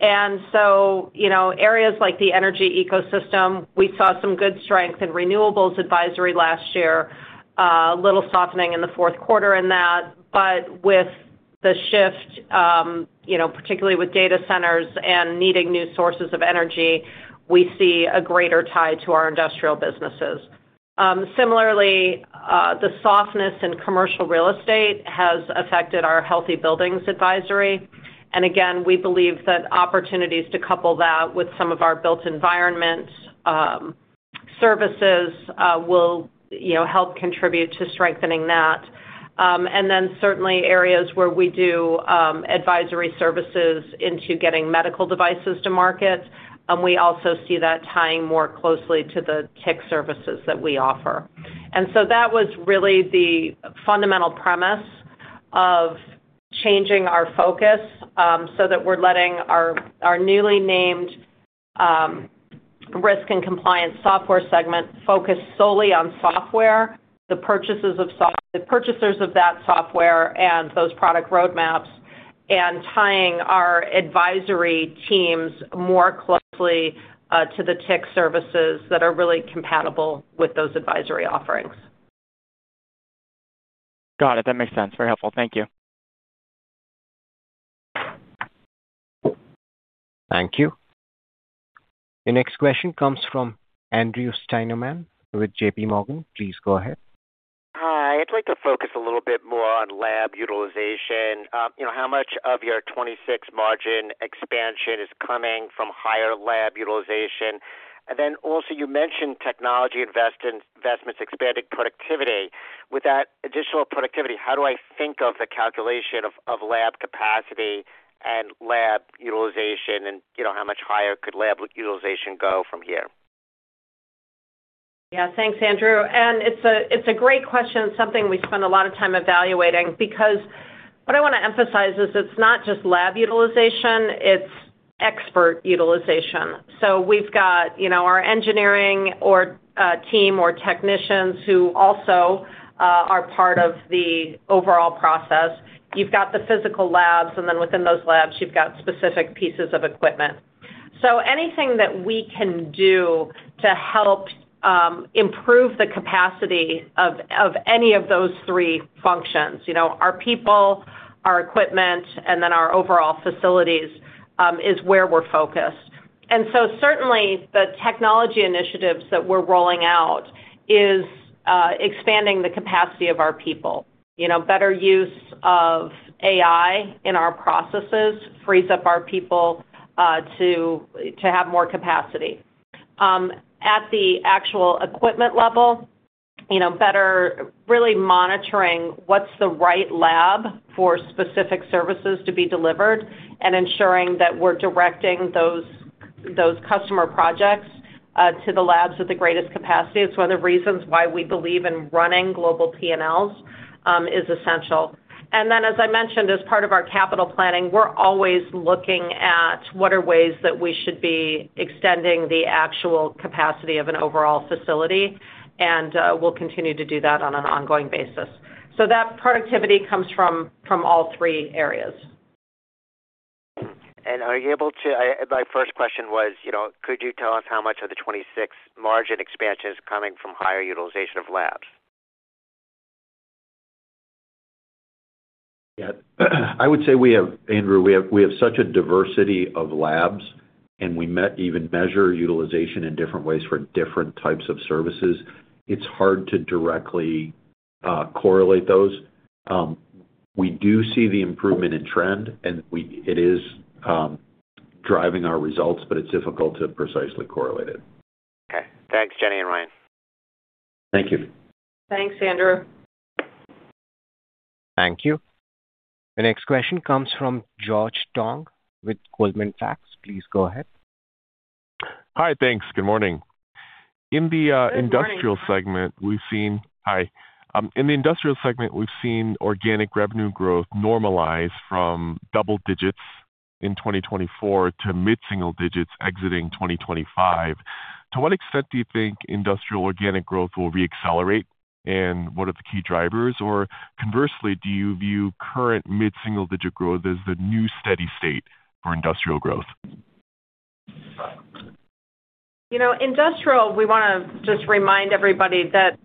And so, you know, areas like the energy ecosystem, we saw some good strength in renewables advisory last year, a little softening in the fourth quarter in that. But with the shift, you know, particularly with data centers and needing new sources of energy, we see a greater tie to our industrial businesses. Similarly, the softness in commercial real estate has affected our healthy buildings advisory. And again, we believe that opportunities to couple that with some of our built environment services, you know, will help contribute to strengthening that. And then certainly areas where we do advisory services into getting medical devices to market, and we also see that tying more closely to the TIC services that we offer. And so that was really the fundamental premise of changing our focus, so that we're letting our newly named risk and compliance software segment focus solely on software, the purchasers of that software and those product roadmaps, and tying our advisory teams more closely to the TIC services that are really compatible with those advisory offerings. Got it. That makes sense. Very helpful. Thank you. Thank you. The next question comes from Andrew Steinerman with JPMorgan. Please go ahead. Hi, I'd like to focus a little bit more on lab utilization. You know, how much of your 26 margin expansion is coming from higher lab utilization? And then also you mentioned technology investments, expanding productivity. With that additional productivity, how do I think of the calculation of lab capacity and lab utilization? And, you know, how much higher could lab utilization go from here? Yeah, thanks, Andrew, and it's a great question, something we spend a lot of time evaluating, because what I wanna emphasize is it's not just lab utilization, it's expert utilization. So we've got, you know, our engineering team or technicians who also are part of the overall process. You've got the physical labs, and then within those labs, you've got specific pieces of equipment. So anything that we can do to help improve the capacity of any of those three functions, you know, our people, our equipment, and then our overall facilities is where we're focused. And so certainly, the technology initiatives that we're rolling out is expanding the capacity of our people. You know, better use of AI in our processes frees up our people to have more capacity. At the actual equipment level, you know, better really monitoring what's the right lab for specific services to be delivered and ensuring that we're directing those customer projects to the labs with the greatest capacity. It's one of the reasons why we believe in running global P&Ls is essential. And then, as I mentioned, as part of our capital planning, we're always looking at what are ways that we should be extending the actual capacity of an overall facility, and we'll continue to do that on an ongoing basis. So that productivity comes from all three areas. Are you able to... my first question was, you know, could you tell us how much of the 26 margin expansion is coming from higher utilization of labs? Yeah, I would say we have, Andrew, such a diversity of labs, and we even measure utilization in different ways for different types of services. It's hard to directly correlate those. We do see the improvement in trend, and it is driving our results, but it's difficult to precisely correlate it. Okay. Thanks, Jenny and Ryan. Thank you. Thanks, Andrew. Thank you. The next question comes from George Tong with Goldman Sachs. Please go ahead. Hi, thanks. Good morning. Good morning. In the industrial segment, we've seen organic revenue growth normalize from double digits in 2024 to mid-single digits exiting 2025. To what extent do you think industrial organic growth will reaccelerate, and what are the key drivers? Or conversely, do you view current mid-single digit growth as the new steady state for industrial growth? You know, industrial, we wanna just remind everybody that,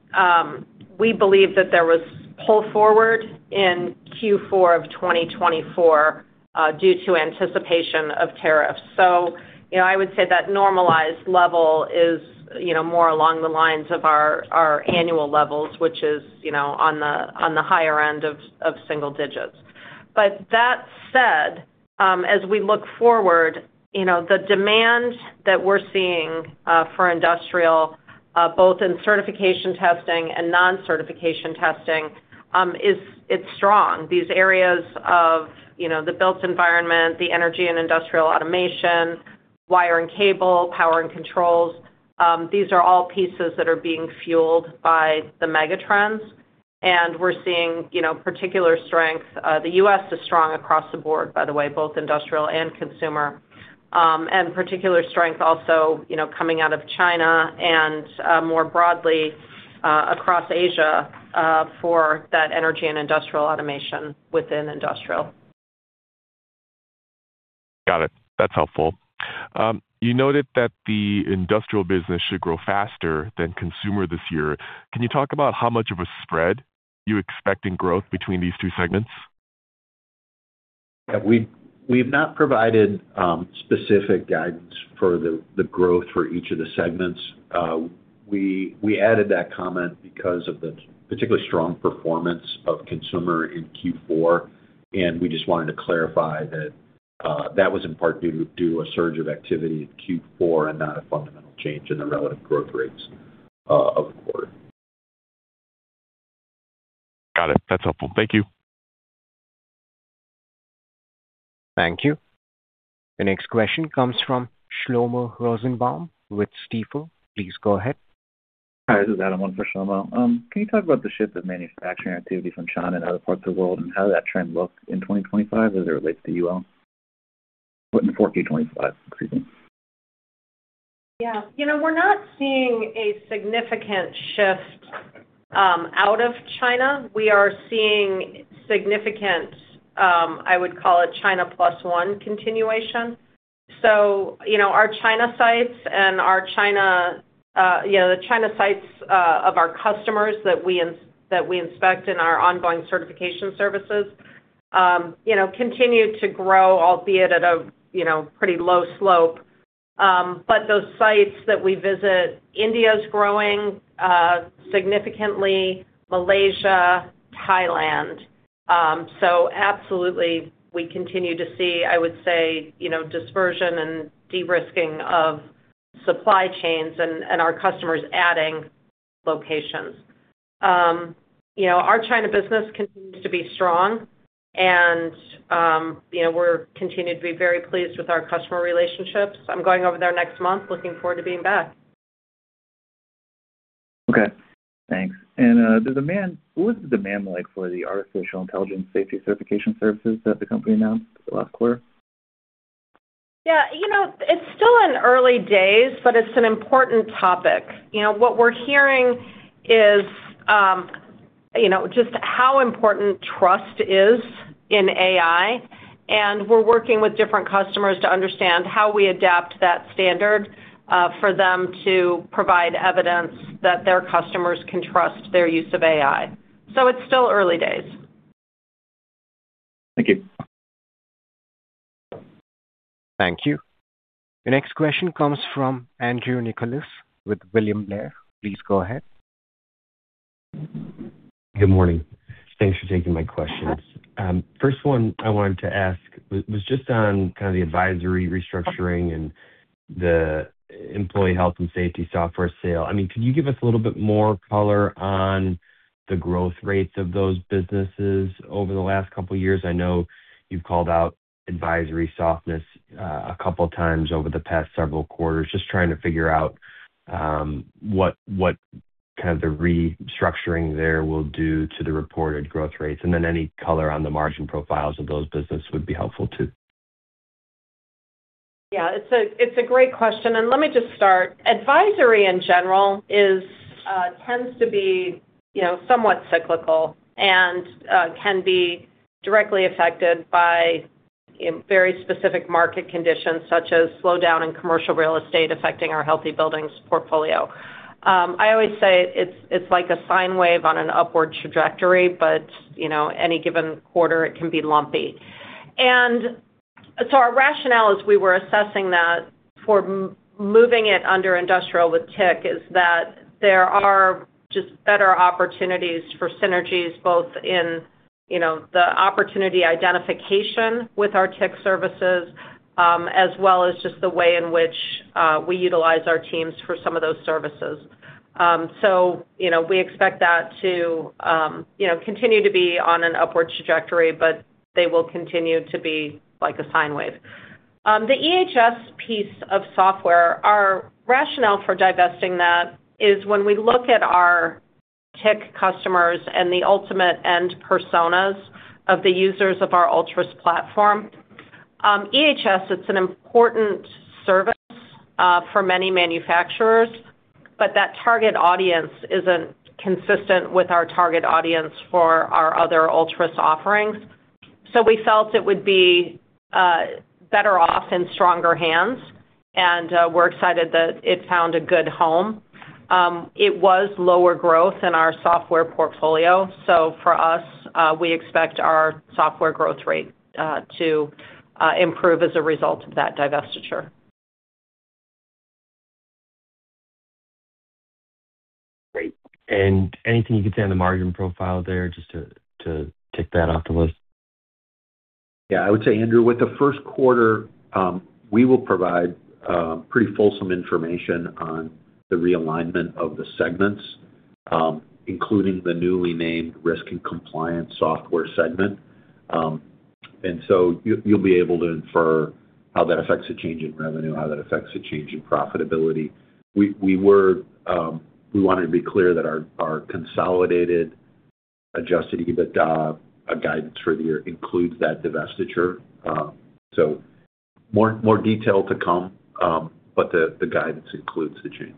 we believe that there was pull forward in Q4 of 2024, due to anticipation of tariffs. So you know, I would say that normalized level is, you know, more along the lines of our, our annual levels, which is, you know, on the, on the higher end of, of single digits. But that said, as we look forward, you know, the demand that we're seeing, for industrial, both in certification testing and non-certification testing, is, it's strong. These areas of, you know, the built environment, the energy and industrial automation, wire and cable, power and controls, these are all pieces that are being fueled by the megatrends, and we're seeing, you know, particular strength. The U.S. is strong across the board, by the way, both industrial and consumer. And particular strength also, you know, coming out of China and, more broadly, across Asia, for that energy and industrial automation within industrial. Got it. That's helpful. You noted that the industrial business should grow faster than consumer this year. Can you talk about how much of a spread you expect in growth between these two segments? Yeah, we've not provided specific guidance for the growth for each of the segments. We added that comment because of the particularly strong performance of consumer in Q4, and we just wanted to clarify that that was in part due to a surge of activity in Q4 and not a fundamental change in the relative growth rates of the quarter. Got it. That's helpful. Thank you. Thank you. The next question comes from Shlomo Rosenbaum with Stifel. Please go ahead. Hi, this is Adam on for Shlomo. Can you talk about the shift of manufacturing activity from China and other parts of the world, and how that trend looks in 2025 as it relates to UL? What in the FY 2025, excuse me. Yeah. You know, we're not seeing a significant shift out of China. We are seeing significant, I would call it, China Plus One continuation. So, you know, our China sites and our China, you know, the China sites of our customers that we inspect in our ongoing certification services, you know, continue to grow, albeit at a, you know, pretty low slope. But those sites that we visit, India's growing significantly, Malaysia, Thailand. So absolutely, we continue to see, I would say, you know, dispersion and de-risking of supply chains and, and our customers adding locations. You know, our China business continues to be strong, and, you know, we're continuing to be very pleased with our customer relationships. I'm going over there next month, looking forward to being back. Okay, thanks. And, the demand, what is the demand like for the artificial intelligence safety certification services that the company announced last quarter? Yeah, you know, it's still in early days, but it's an important topic. You know, what we're hearing is, you know, just how important trust is in AI, and we're working with different customers to understand how we adapt that standard, for them to provide evidence that their customers can trust their use of AI. So it's still early days. Thank you. Thank you. The next question comes from Andrew Nicholas with William Blair. Please go ahead. Good morning. Thanks for taking my questions. First one I wanted to ask was just on kind of the advisory restructuring and the employee health and safety software sale. I mean, could you give us a little bit more color on the growth rates of those businesses over the last couple of years? I know you've called out advisory softness, a couple of times over the past several quarters. Just trying to figure out, what kind of the restructuring there will do to the reported growth rates, and then any color on the margin profiles of those businesses would be helpful too. Yeah, it's a great question, and let me just start. Advisory in general is, tends to be, you know, somewhat cyclical and, can be directly affected by, in very specific market conditions, such as slowdown in commercial real estate affecting our healthy buildings portfolio. I always say it's like a sine wave on an upward trajectory, but, you know, any given quarter it can be lumpy. And so our rationale as we were assessing that for moving it under industrial with TIC, is that there are just better opportunities for synergies, both in, you know, the opportunity identification with our TIC services, as well as just the way in which, we utilize our teams for some of those services. So, you know, we expect that to, you know, continue to be on an upward trajectory, but they will continue to be like a sine wave. The EHS piece of software, our rationale for divesting that is when we look at our TIC customers and the ultimate end personas of the users of our ULTRUS platform, EHS, it's an important service for many manufacturers, but that target audience isn't consistent with our target audience for our other ULTRUS offerings. So we felt it would be better off in stronger hands, and we're excited that it found a good home. It was lower growth in our software portfolio, so for us, we expect our software growth rate to improve as a result of that divestiture. Great. Anything you could say on the margin profile there, just to tick that off the list? Yeah, I would say, Andrew, with the first quarter, we will provide pretty fulsome information on the realignment of the segments, including the newly named Risk and Compliance Software segment. And so you, you'll be able to infer how that affects the change in revenue, how that affects the change in profitability. We wanted to be clear that our consolidated Adjusted EBITDA guidance for the year includes that divestiture. So more detail to come, but the guidance includes the change.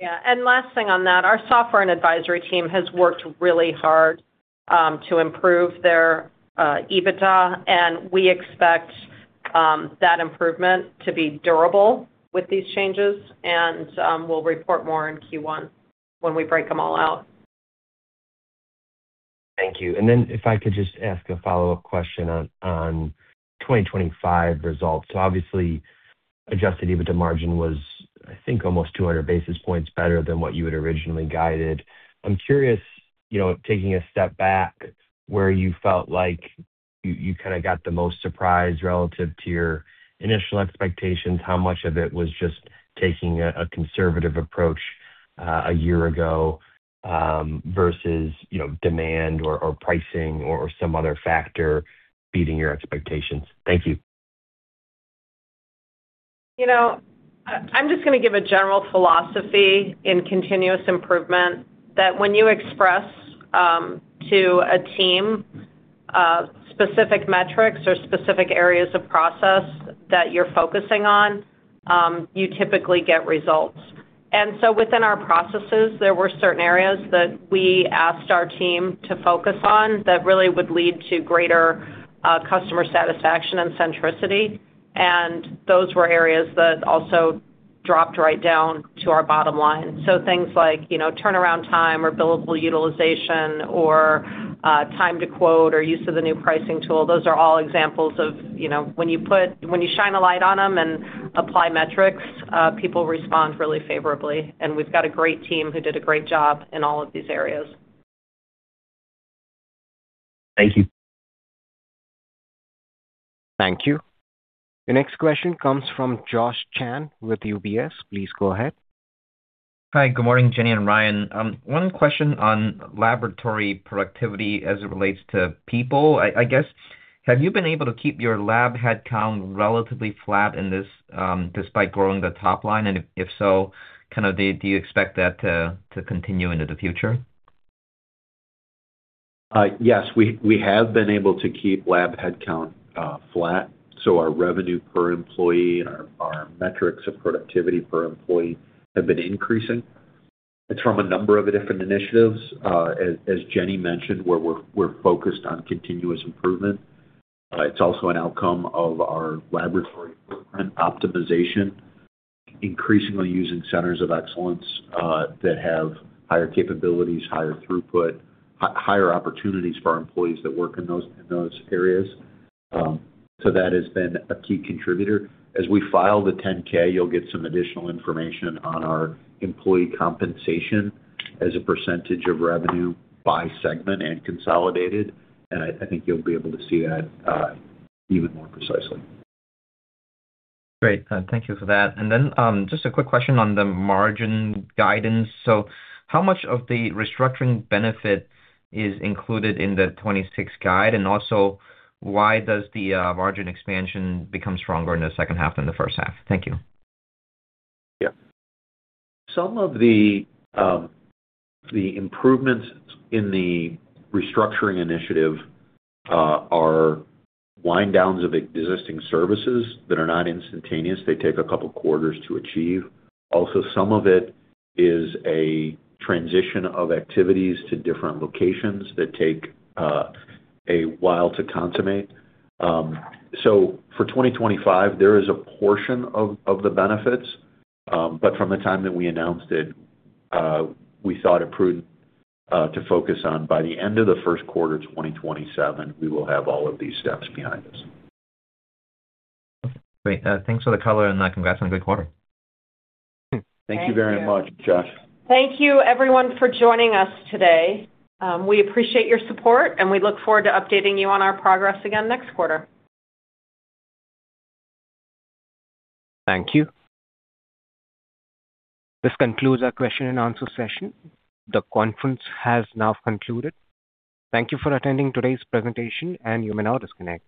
Yeah. And last thing on that, our software and advisory team has worked really hard to improve their EBITDA, and we expect that improvement to be durable with these changes. And we'll report more in Q1 when we break them all out. Thank you. Then if I could just ask a follow-up question on 2025 results. So obviously, Adjusted EBITDA margin was, I think, almost 200 basis points better than what you had originally guided. I'm curious, you know, taking a step back, where you felt like you kinda got the most surprise relative to your initial expectations, how much of it was just taking a conservative approach a year ago versus, you know, demand or pricing or some other factor beating your expectations? Thank you. You know, I'm just gonna give a general philosophy in continuous improvement, that when you express to a team specific metrics or specific areas of process that you're focusing on, you typically get results. And so within our processes, there were certain areas that we asked our team to focus on that really would lead to greater customer satisfaction and centricity, and those were areas that also dropped right down to our bottom line. So things like, you know, turnaround time or billable utilization or time to quote or use of the new pricing tool, those are all examples of, you know, when you shine a light on them and apply metrics, people respond really favorably. And we've got a great team who did a great job in all of these areas. Thank you. Thank you. The next question comes from Josh Chan with UBS. Please go ahead. Hi, good morning, Jenny and Ryan. One question on laboratory productivity as it relates to people. I guess, have you been able to keep your lab headcount relatively flat in this, despite growing the top line? And if so, kind of do you expect that to continue into the future? Yes, we have been able to keep lab headcount flat, so our revenue per employee and our metrics of productivity per employee have been increasing. It's from a number of different initiatives, as Jenny mentioned, where we're focused on continuous improvement. It's also an outcome of our laboratory footprint optimization, increasingly using centers of excellence that have higher capabilities, higher throughput, higher opportunities for our employees that work in those areas. So that has been a key contributor. As we file the 10-K, you'll get some additional information on our employee compensation as a percentage of revenue by segment and consolidated, and I think you'll be able to see that even more precisely. Great. Thank you for that. And then, just a quick question on the margin guidance. So how much of the restructuring benefit is included in the 2026 guide? And also, why does the margin expansion become stronger in the second half than the first half? Thank you. Yeah. Some of the, the improvements in the restructuring initiative, are wind downs of existing services that are not instantaneous. They take a couple quarters to achieve. Also, some of it is a transition of activities to different locations that take, a while to consummate. So for 2025, there is a portion of, the benefits, but from the time that we announced it, we thought it prudent, to focus on by the end of the first quarter, 2027, we will have all of these steps behind us. Great. Thanks for the color, and congrats on a good quarter. Thank you very much, Josh. Thank you, everyone, for joining us today. We appreciate your support, and we look forward to updating you on our progress again next quarter. Thank you. This concludes our question and answer session. The conference has now concluded. Thank you for attending today's presentation, and you may now disconnect.